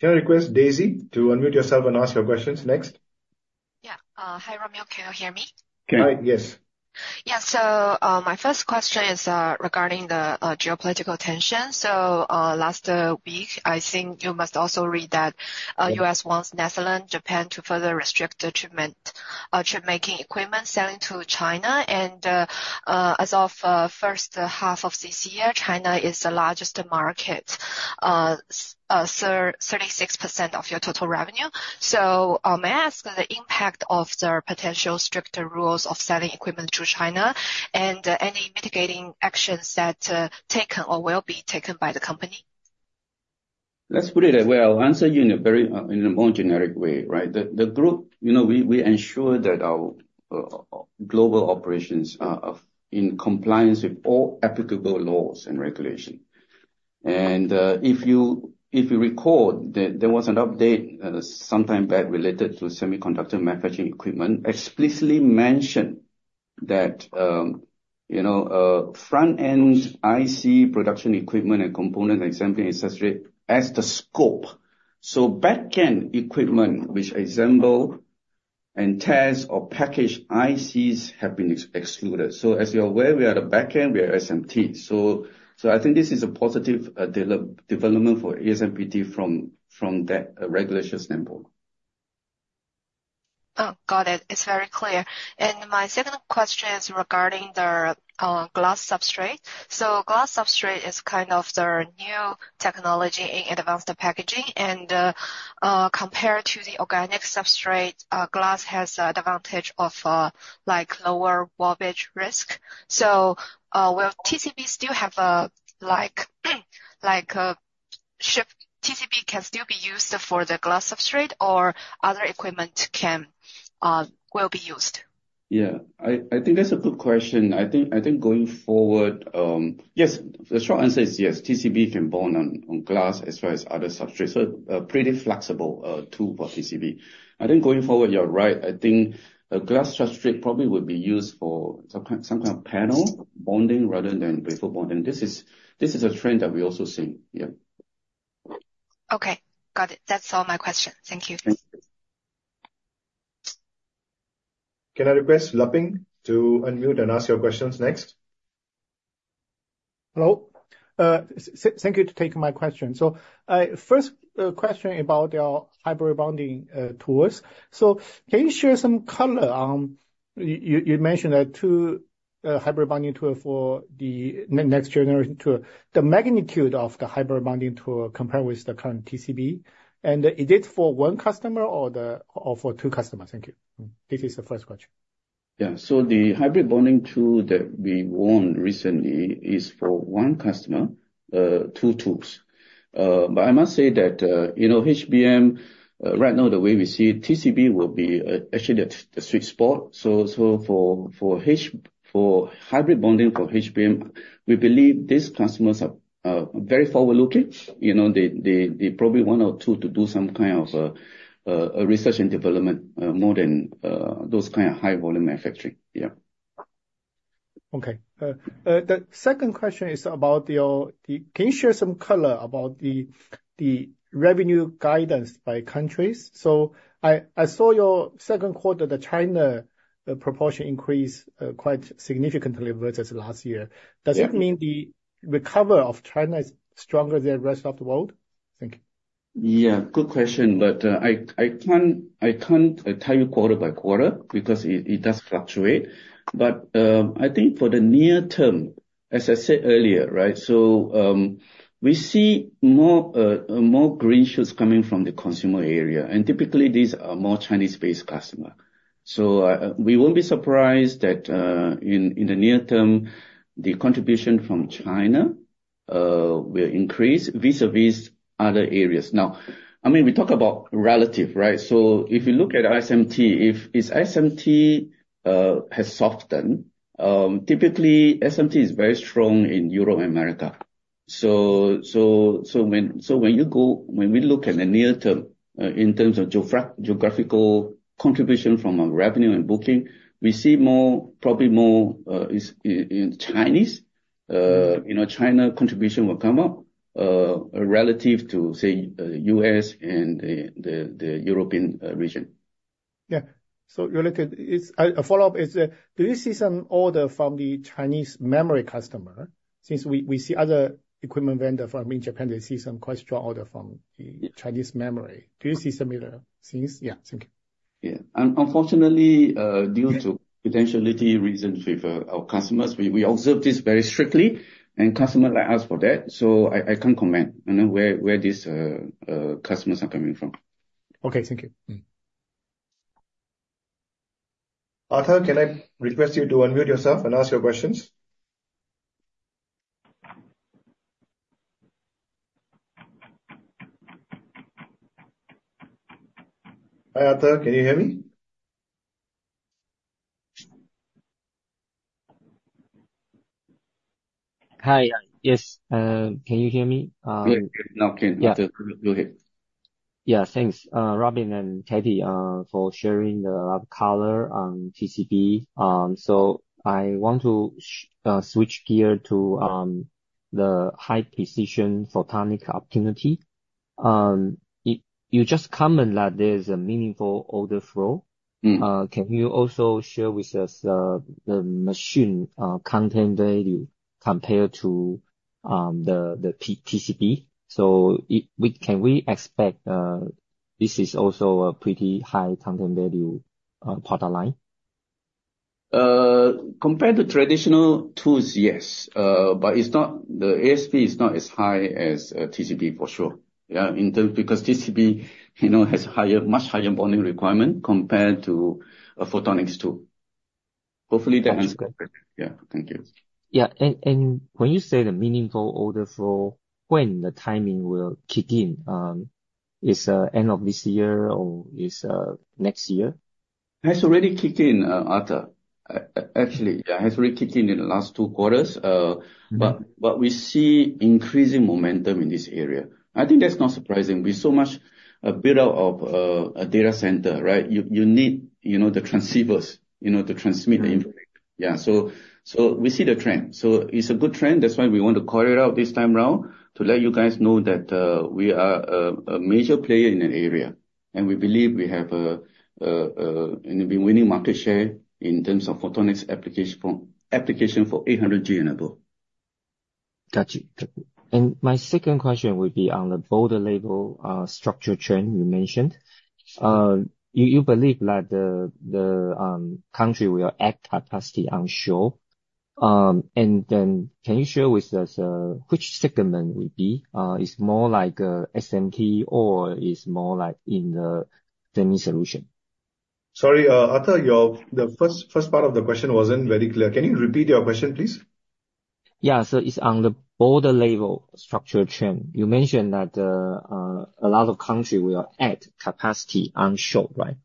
A: Can I request Daisy to unmute yourself and ask your questions next?
K: Yeah. Hi, Robin. Can you hear me?
A: Can, yes.
K: Yeah. So, my first question is regarding the geopolitical tension. So, last week, I think you must also read that the U.S. wants Netherlands, Japan to further restrict the transfer of chipmaking equipment selling to China. And, as of first half of this year, China is the largest market, 36% of your total revenue. So, may I ask the impact of the potential stricter rules of selling equipment to China, and any mitigating actions that taken or will be taken by the company?
B: Let's put it well, I'll answer you in a very, in a more generic way, right? The Group, you know, we ensure that our global operations are in compliance with all applicable laws and regulations. And, if you recall, there was an update sometime back related to semiconductor manufacturing equipment, explicitly mentioned that, you know, front-end IC production equipment and component assembly accessories as the scope. So back-end equipment, which assemble and test or package ICs, have been excluded. So as you're aware, we are at the back end, we are SMT. So, I think this is a positive development for ASMPT from that regulatory standpoint.
K: Oh, got it. It's very clear. And my second question is regarding the glass substrate. So glass substrate is kind of the new technology in advanced packaging, and compared to the organic substrate, glass has an advantage of, like, lower warpage risk. So, will TCB still have a like, like a shift, TCB can still be used for the glass substrate or other equipment can, will be used?
B: Yeah, I think that's a good question. I think going forward... Yes, the short answer is yes, TCB can bond on glass as well as other substrates, so, pretty flexible tool for TCB. I think going forward, you're right. I think a glass substrate probably would be used for some kind of panel bonding rather than wafer bonding. This is a trend that we also see. Yeah.
K: Okay, got it. That's all my questions. Thank you.
A: Can I request Leping to unmute and ask your questions next?
L: Hello. Thank you for taking my question. So, first question about your Hybrid Bonding tools. So can you share some color on, you mentioned that 2 Hybrid Bonding tool for the next generation tool. The magnitude of the Hybrid Bonding tool compared with the current TCB, and is it for 1 customer or for 2 customers? Thank you. This is the first question.
B: Yeah. So the Hybrid Bonding tool that we won recently is for one customer, two tools. But I must say that, you know, HBM, right now, the way we see it, TCB will be, actually the, the sweet spot. So for hybrid bonding, for HBM, we believe these customers are very forward-looking. You know, they probably one or two to do some kind of research and development, more than those kind of high-volume manufacturing. Yeah.
L: Okay. The second question is about your... Can you share some color about the revenue guidance by countries? So I saw your second quarter, the China proportion increase quite significantly versus last year.
B: Yeah.
L: Does it mean the recovery of China is stronger than the rest of the world? Thank you....
B: Yeah, good question, but, I can't tell you quarter by quarter because it does fluctuate. But, I think for the near term, as I said earlier, right? So, we see more green shoots coming from the consumer area, and typically, these are more Chinese-based customer. So, we won't be surprised that, in the near term, the contribution from China will increase vis-a-vis other areas. Now, I mean, we talk about relative, right? So if you look at SMT, if SMT has softened, typically SMT is very strong in Europe and America. So, when we look at the near term, in terms of geographical contribution from our revenue and booking, we see more, probably more, is in Chinese. You know, China contribution will come up, relative to, say, U.S. and the European region.
L: Yeah. So related, is a follow-up. Do you see some order from the Chinese memory customer, since we see other equipment vendor from in Japan, they see some quite strong order from the Chinese memory. Do you see similar things? Yeah, thank you.
B: Yeah. Unfortunately, due to confidentiality reasons with our customers, we observe this very strictly, and customer ask for that, so I can't comment, you know, where these customers are coming from.
L: Okay, thank you.
A: Arthur, can I request you to unmute yourself and ask your questions? Hi, Arthur, can you hear me?
M: Hi, yes. Can you hear me?
A: Yeah. Now, can.
M: Yeah.
A: Go ahead.
M: Yeah, thanks, Robin and Katie, for sharing the color on TCB. So I want to switch gear to the high-precision photonic opportunity. You just comment that there's a meaningful order flow.
B: Mm-hmm.
M: Can you also share with us the machine content value compared to the TCB? So can we expect this is also a pretty high content value product line?
B: Compared to traditional tools, yes. But it's not, the ASP is not as high as TCB, for sure. Yeah, in terms, because TCB, you know, has higher, much higher volume requirement compared to a photonics tool. Hopefully, that answers-
M: That's good.
B: Yeah. Thank you.
M: Yeah, and when you say the meaningful order flow, when the timing will kick in? Is the end of this year, or is next year?
B: It has already kicked in, Arthur. Actually, yeah, it has already kicked in, in the last two quarters.
M: Mm-hmm.
B: But, but we see increasing momentum in this area. I think that's not surprising. With so much, build out of, a data center, right? You, you need, you know, the transceivers, you know, to transmit the information.
M: Mm-hmm.
B: Yeah, so we see the trend. So it's a good trend. That's why we want to call it out this time around, to let you guys know that we are a major player in the area. And we believe we have a and we've been winning market share in terms of photonics application for 800G and above.
M: Got you. And my second question would be on the board level structure trend you mentioned. You believe that the country will add capacity onshore? And then can you share with us which segment is more like a SMT or is more like in the semi solution?
E: Sorry, Arthur, the first part of the question wasn't very clear. Can you repeat your question, please?
M: Yeah, so it's on the board level structure trend. You mentioned that a lot of countries will add capacity onshore, right?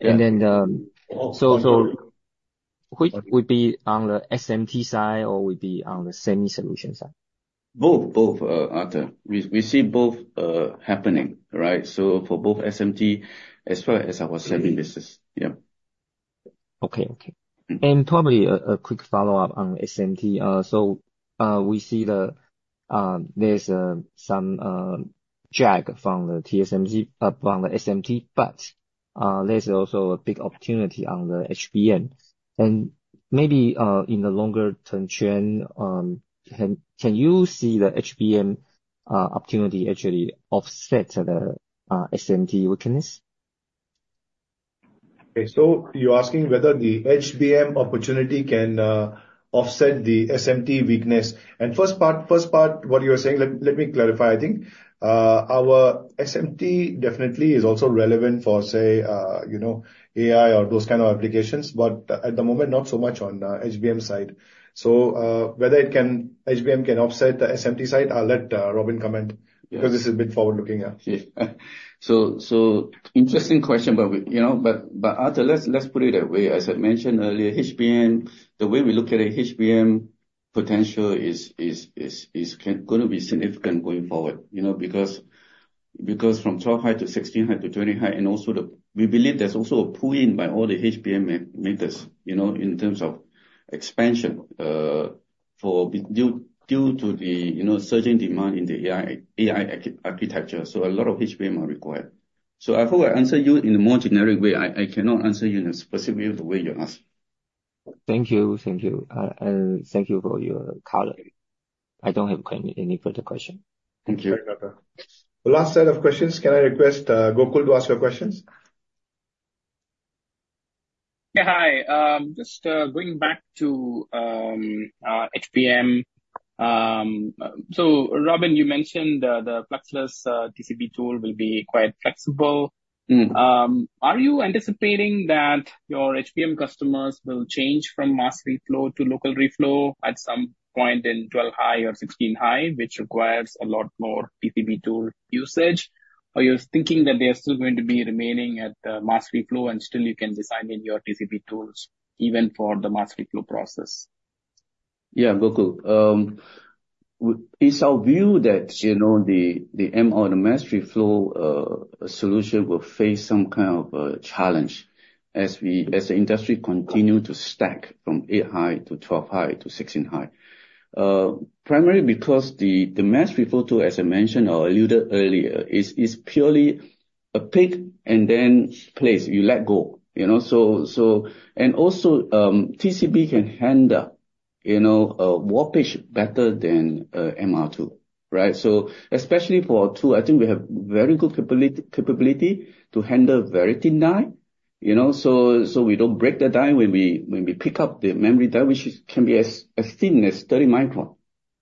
B: Yeah.
M: So which would be on the SMT side or would be on the semi solution side?
B: Both, Arthur. We see both happening, right? So for both SMT as well as our semi business, yeah.
M: Okay, okay.
B: Mm-hmm.
M: Probably a quick follow-up on SMT. We see there's some lag from the TSMC from the SMT, but there's also a big opportunity on the HBM. Maybe in the longer term trend, can you see the HBM opportunity actually offset the SMT weakness?
E: Okay, so you're asking whether the HBM opportunity can offset the SMT weakness? And first part, first part, what you're saying, let me clarify, I think. Our SMT definitely is also relevant for say, you know, AI or those kind of applications, but at the moment, not so much on the HBM side. So, whether it can- HBM can offset the SMT side, I'll let Robin comment-
B: Yeah...
E: because this is a bit forward looking, yeah.
B: Yeah. So interesting question, but, you know, Arthur, let's put it that way. As I mentioned earlier, HBM, the way we look at it, HBM potential is gonna be significant going forward, you know, because from 12 high to 16 high to 20 high, and also the... We believe there's also a pull-in by all the HBM makers, you know, in terms of expansion, due to the, you know, surging demand in the AI architecture. So a lot of HBM are required. So I hope I answer you in a more generic way. I cannot answer you in a specific way, the way you ask.
M: Thank you. Thank you. And thank you for your color. I don't have any further question. Thank you.
A: The last set of questions, can I request, Gokul, to ask your questions?
D: Yeah, hi. Just going back to HBM. So Robin, you mentioned the fluxless TCB tool will be quite flexible.
B: Mm-hmm.
D: Are you anticipating that your HBM customers will change from mass reflow to local reflow at some point in 12 high or 16 high, which requires a lot more TCB tool usage? Or you're thinking that they are still going to be remaining at the mass reflow, and still you can design in your TCB tools even for the mass reflow process?
B: Yeah, Gokul. It's our view that, you know, the MR, the mass reflow solution will face some kind of a challenge as the industry continue to stack from 8 high to 12 high to 16 high. Primarily because the mass reflow tool, as I mentioned or alluded earlier, is purely a pick and then place, you let go, you know? So TCB can handle, you know, warpage better than MR2, right? So especially for two, I think we have very good capability to handle very thin die, you know, so we don't break the die when we pick up the memory die, which can be as thin as 30 micron,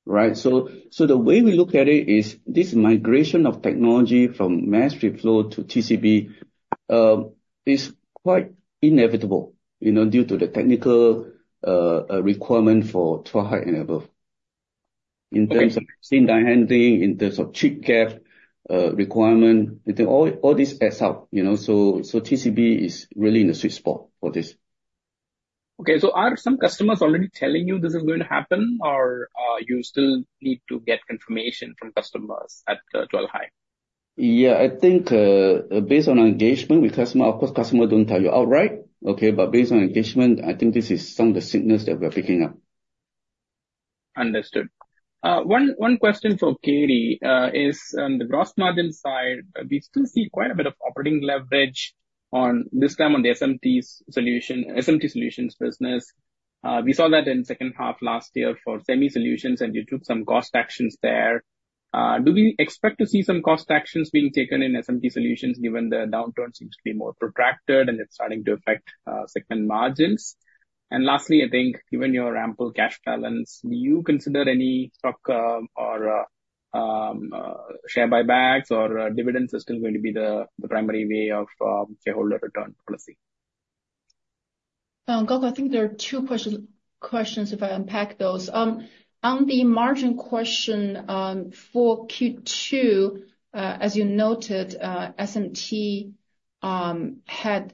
B: right? So the way we look at it is this migration of technology from Mass reflow to TCB is quite inevitable, you know, due to the technical requirement for 12-high and above.
D: Okay.
B: In terms of thin die handling, in terms of chip gap, requirement, I think all, all this adds up, you know? So, so TCB is really in a sweet spot for this.
D: Okay, so are some customers already telling you this is going to happen, or, you still need to get confirmation from customers at, 12 high?
B: Yeah, I think, based on our engagement with customer, of course, customer don't tell you outright, okay? But based on engagement, I think this is some of the signals that we're picking up.
D: Understood. One question for Katie is on the gross margin side. We still see quite a bit of operating leverage on, this time on the SMT solution, SMT Solutions business. We saw that in second half last year for Semi Solutions, and you took some cost actions there. Do we expect to see some cost actions being taken in SMT Solutions, given the downturn seems to be more protracted, and it's starting to affect segment margins? And lastly, I think, given your ample cash balance, do you consider any stock or share buybacks or dividends are still going to be the primary way of shareholder return policy?
C: Gokul, I think there are two questions if I unpack those. On the margin question, for Q2, as you noted, SMT had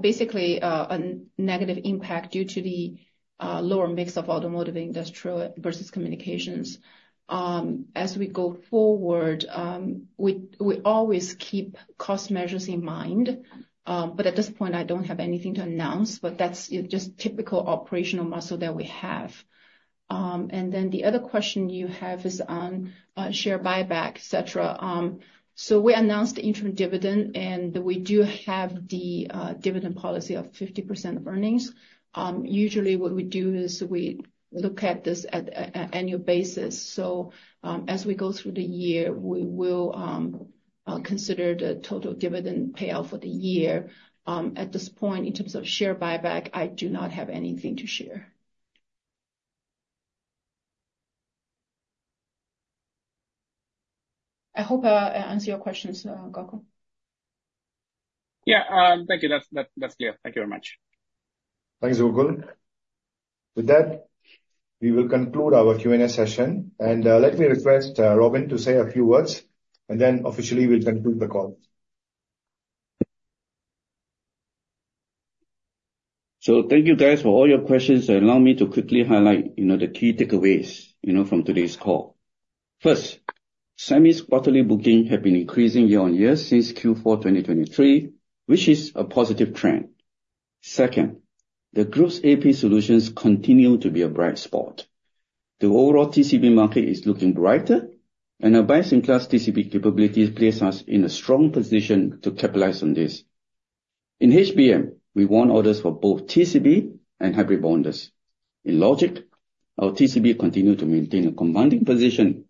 C: basically a negative impact due to the lower mix of automotive industrial versus communications. As we go forward, we always keep cost measures in mind, but at this point, I don't have anything to announce, but that's, you know, just typical operational muscle that we have. And then the other question you have is on share buyback, et cetera. So we announced the interim dividend, and we do have the dividend policy of 50% of earnings. Usually what we do is we look at this at an annual basis. So, as we go through the year, we will consider the total dividend payout for the year. At this point, in terms of share buyback, I do not have anything to share. I hope I answered your questions, Gokul.
D: Yeah, thank you. That's, that's clear. Thank you very much.
A: Thanks, Gokul. With that, we will conclude our Q&A session. Let me request Robin to say a few words and then officially we'll conclude the call.
B: Thank you, guys, for all your questions. Allow me to quickly highlight, you know, the key takeaways, you know, from today's call. First, semis quarterly bookings have been increasing year-on-year since Q4 2023, which is a positive trend. Second, the group's AP solutions continue to be a bright spot. The overall TCB market is looking brighter, and our best-in-class TCB capabilities place us in a strong position to capitalize on this. In HBM, we won orders for both TCB and hybrid bonders. In logic, our TCB continues to maintain a commanding position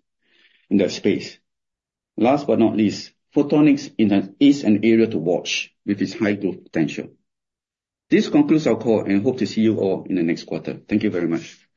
B: in that space. Last but not least, photonics is an area to watch with its high growth potential. This concludes our call, and I hope to see you all in the next quarter. Thank you very much.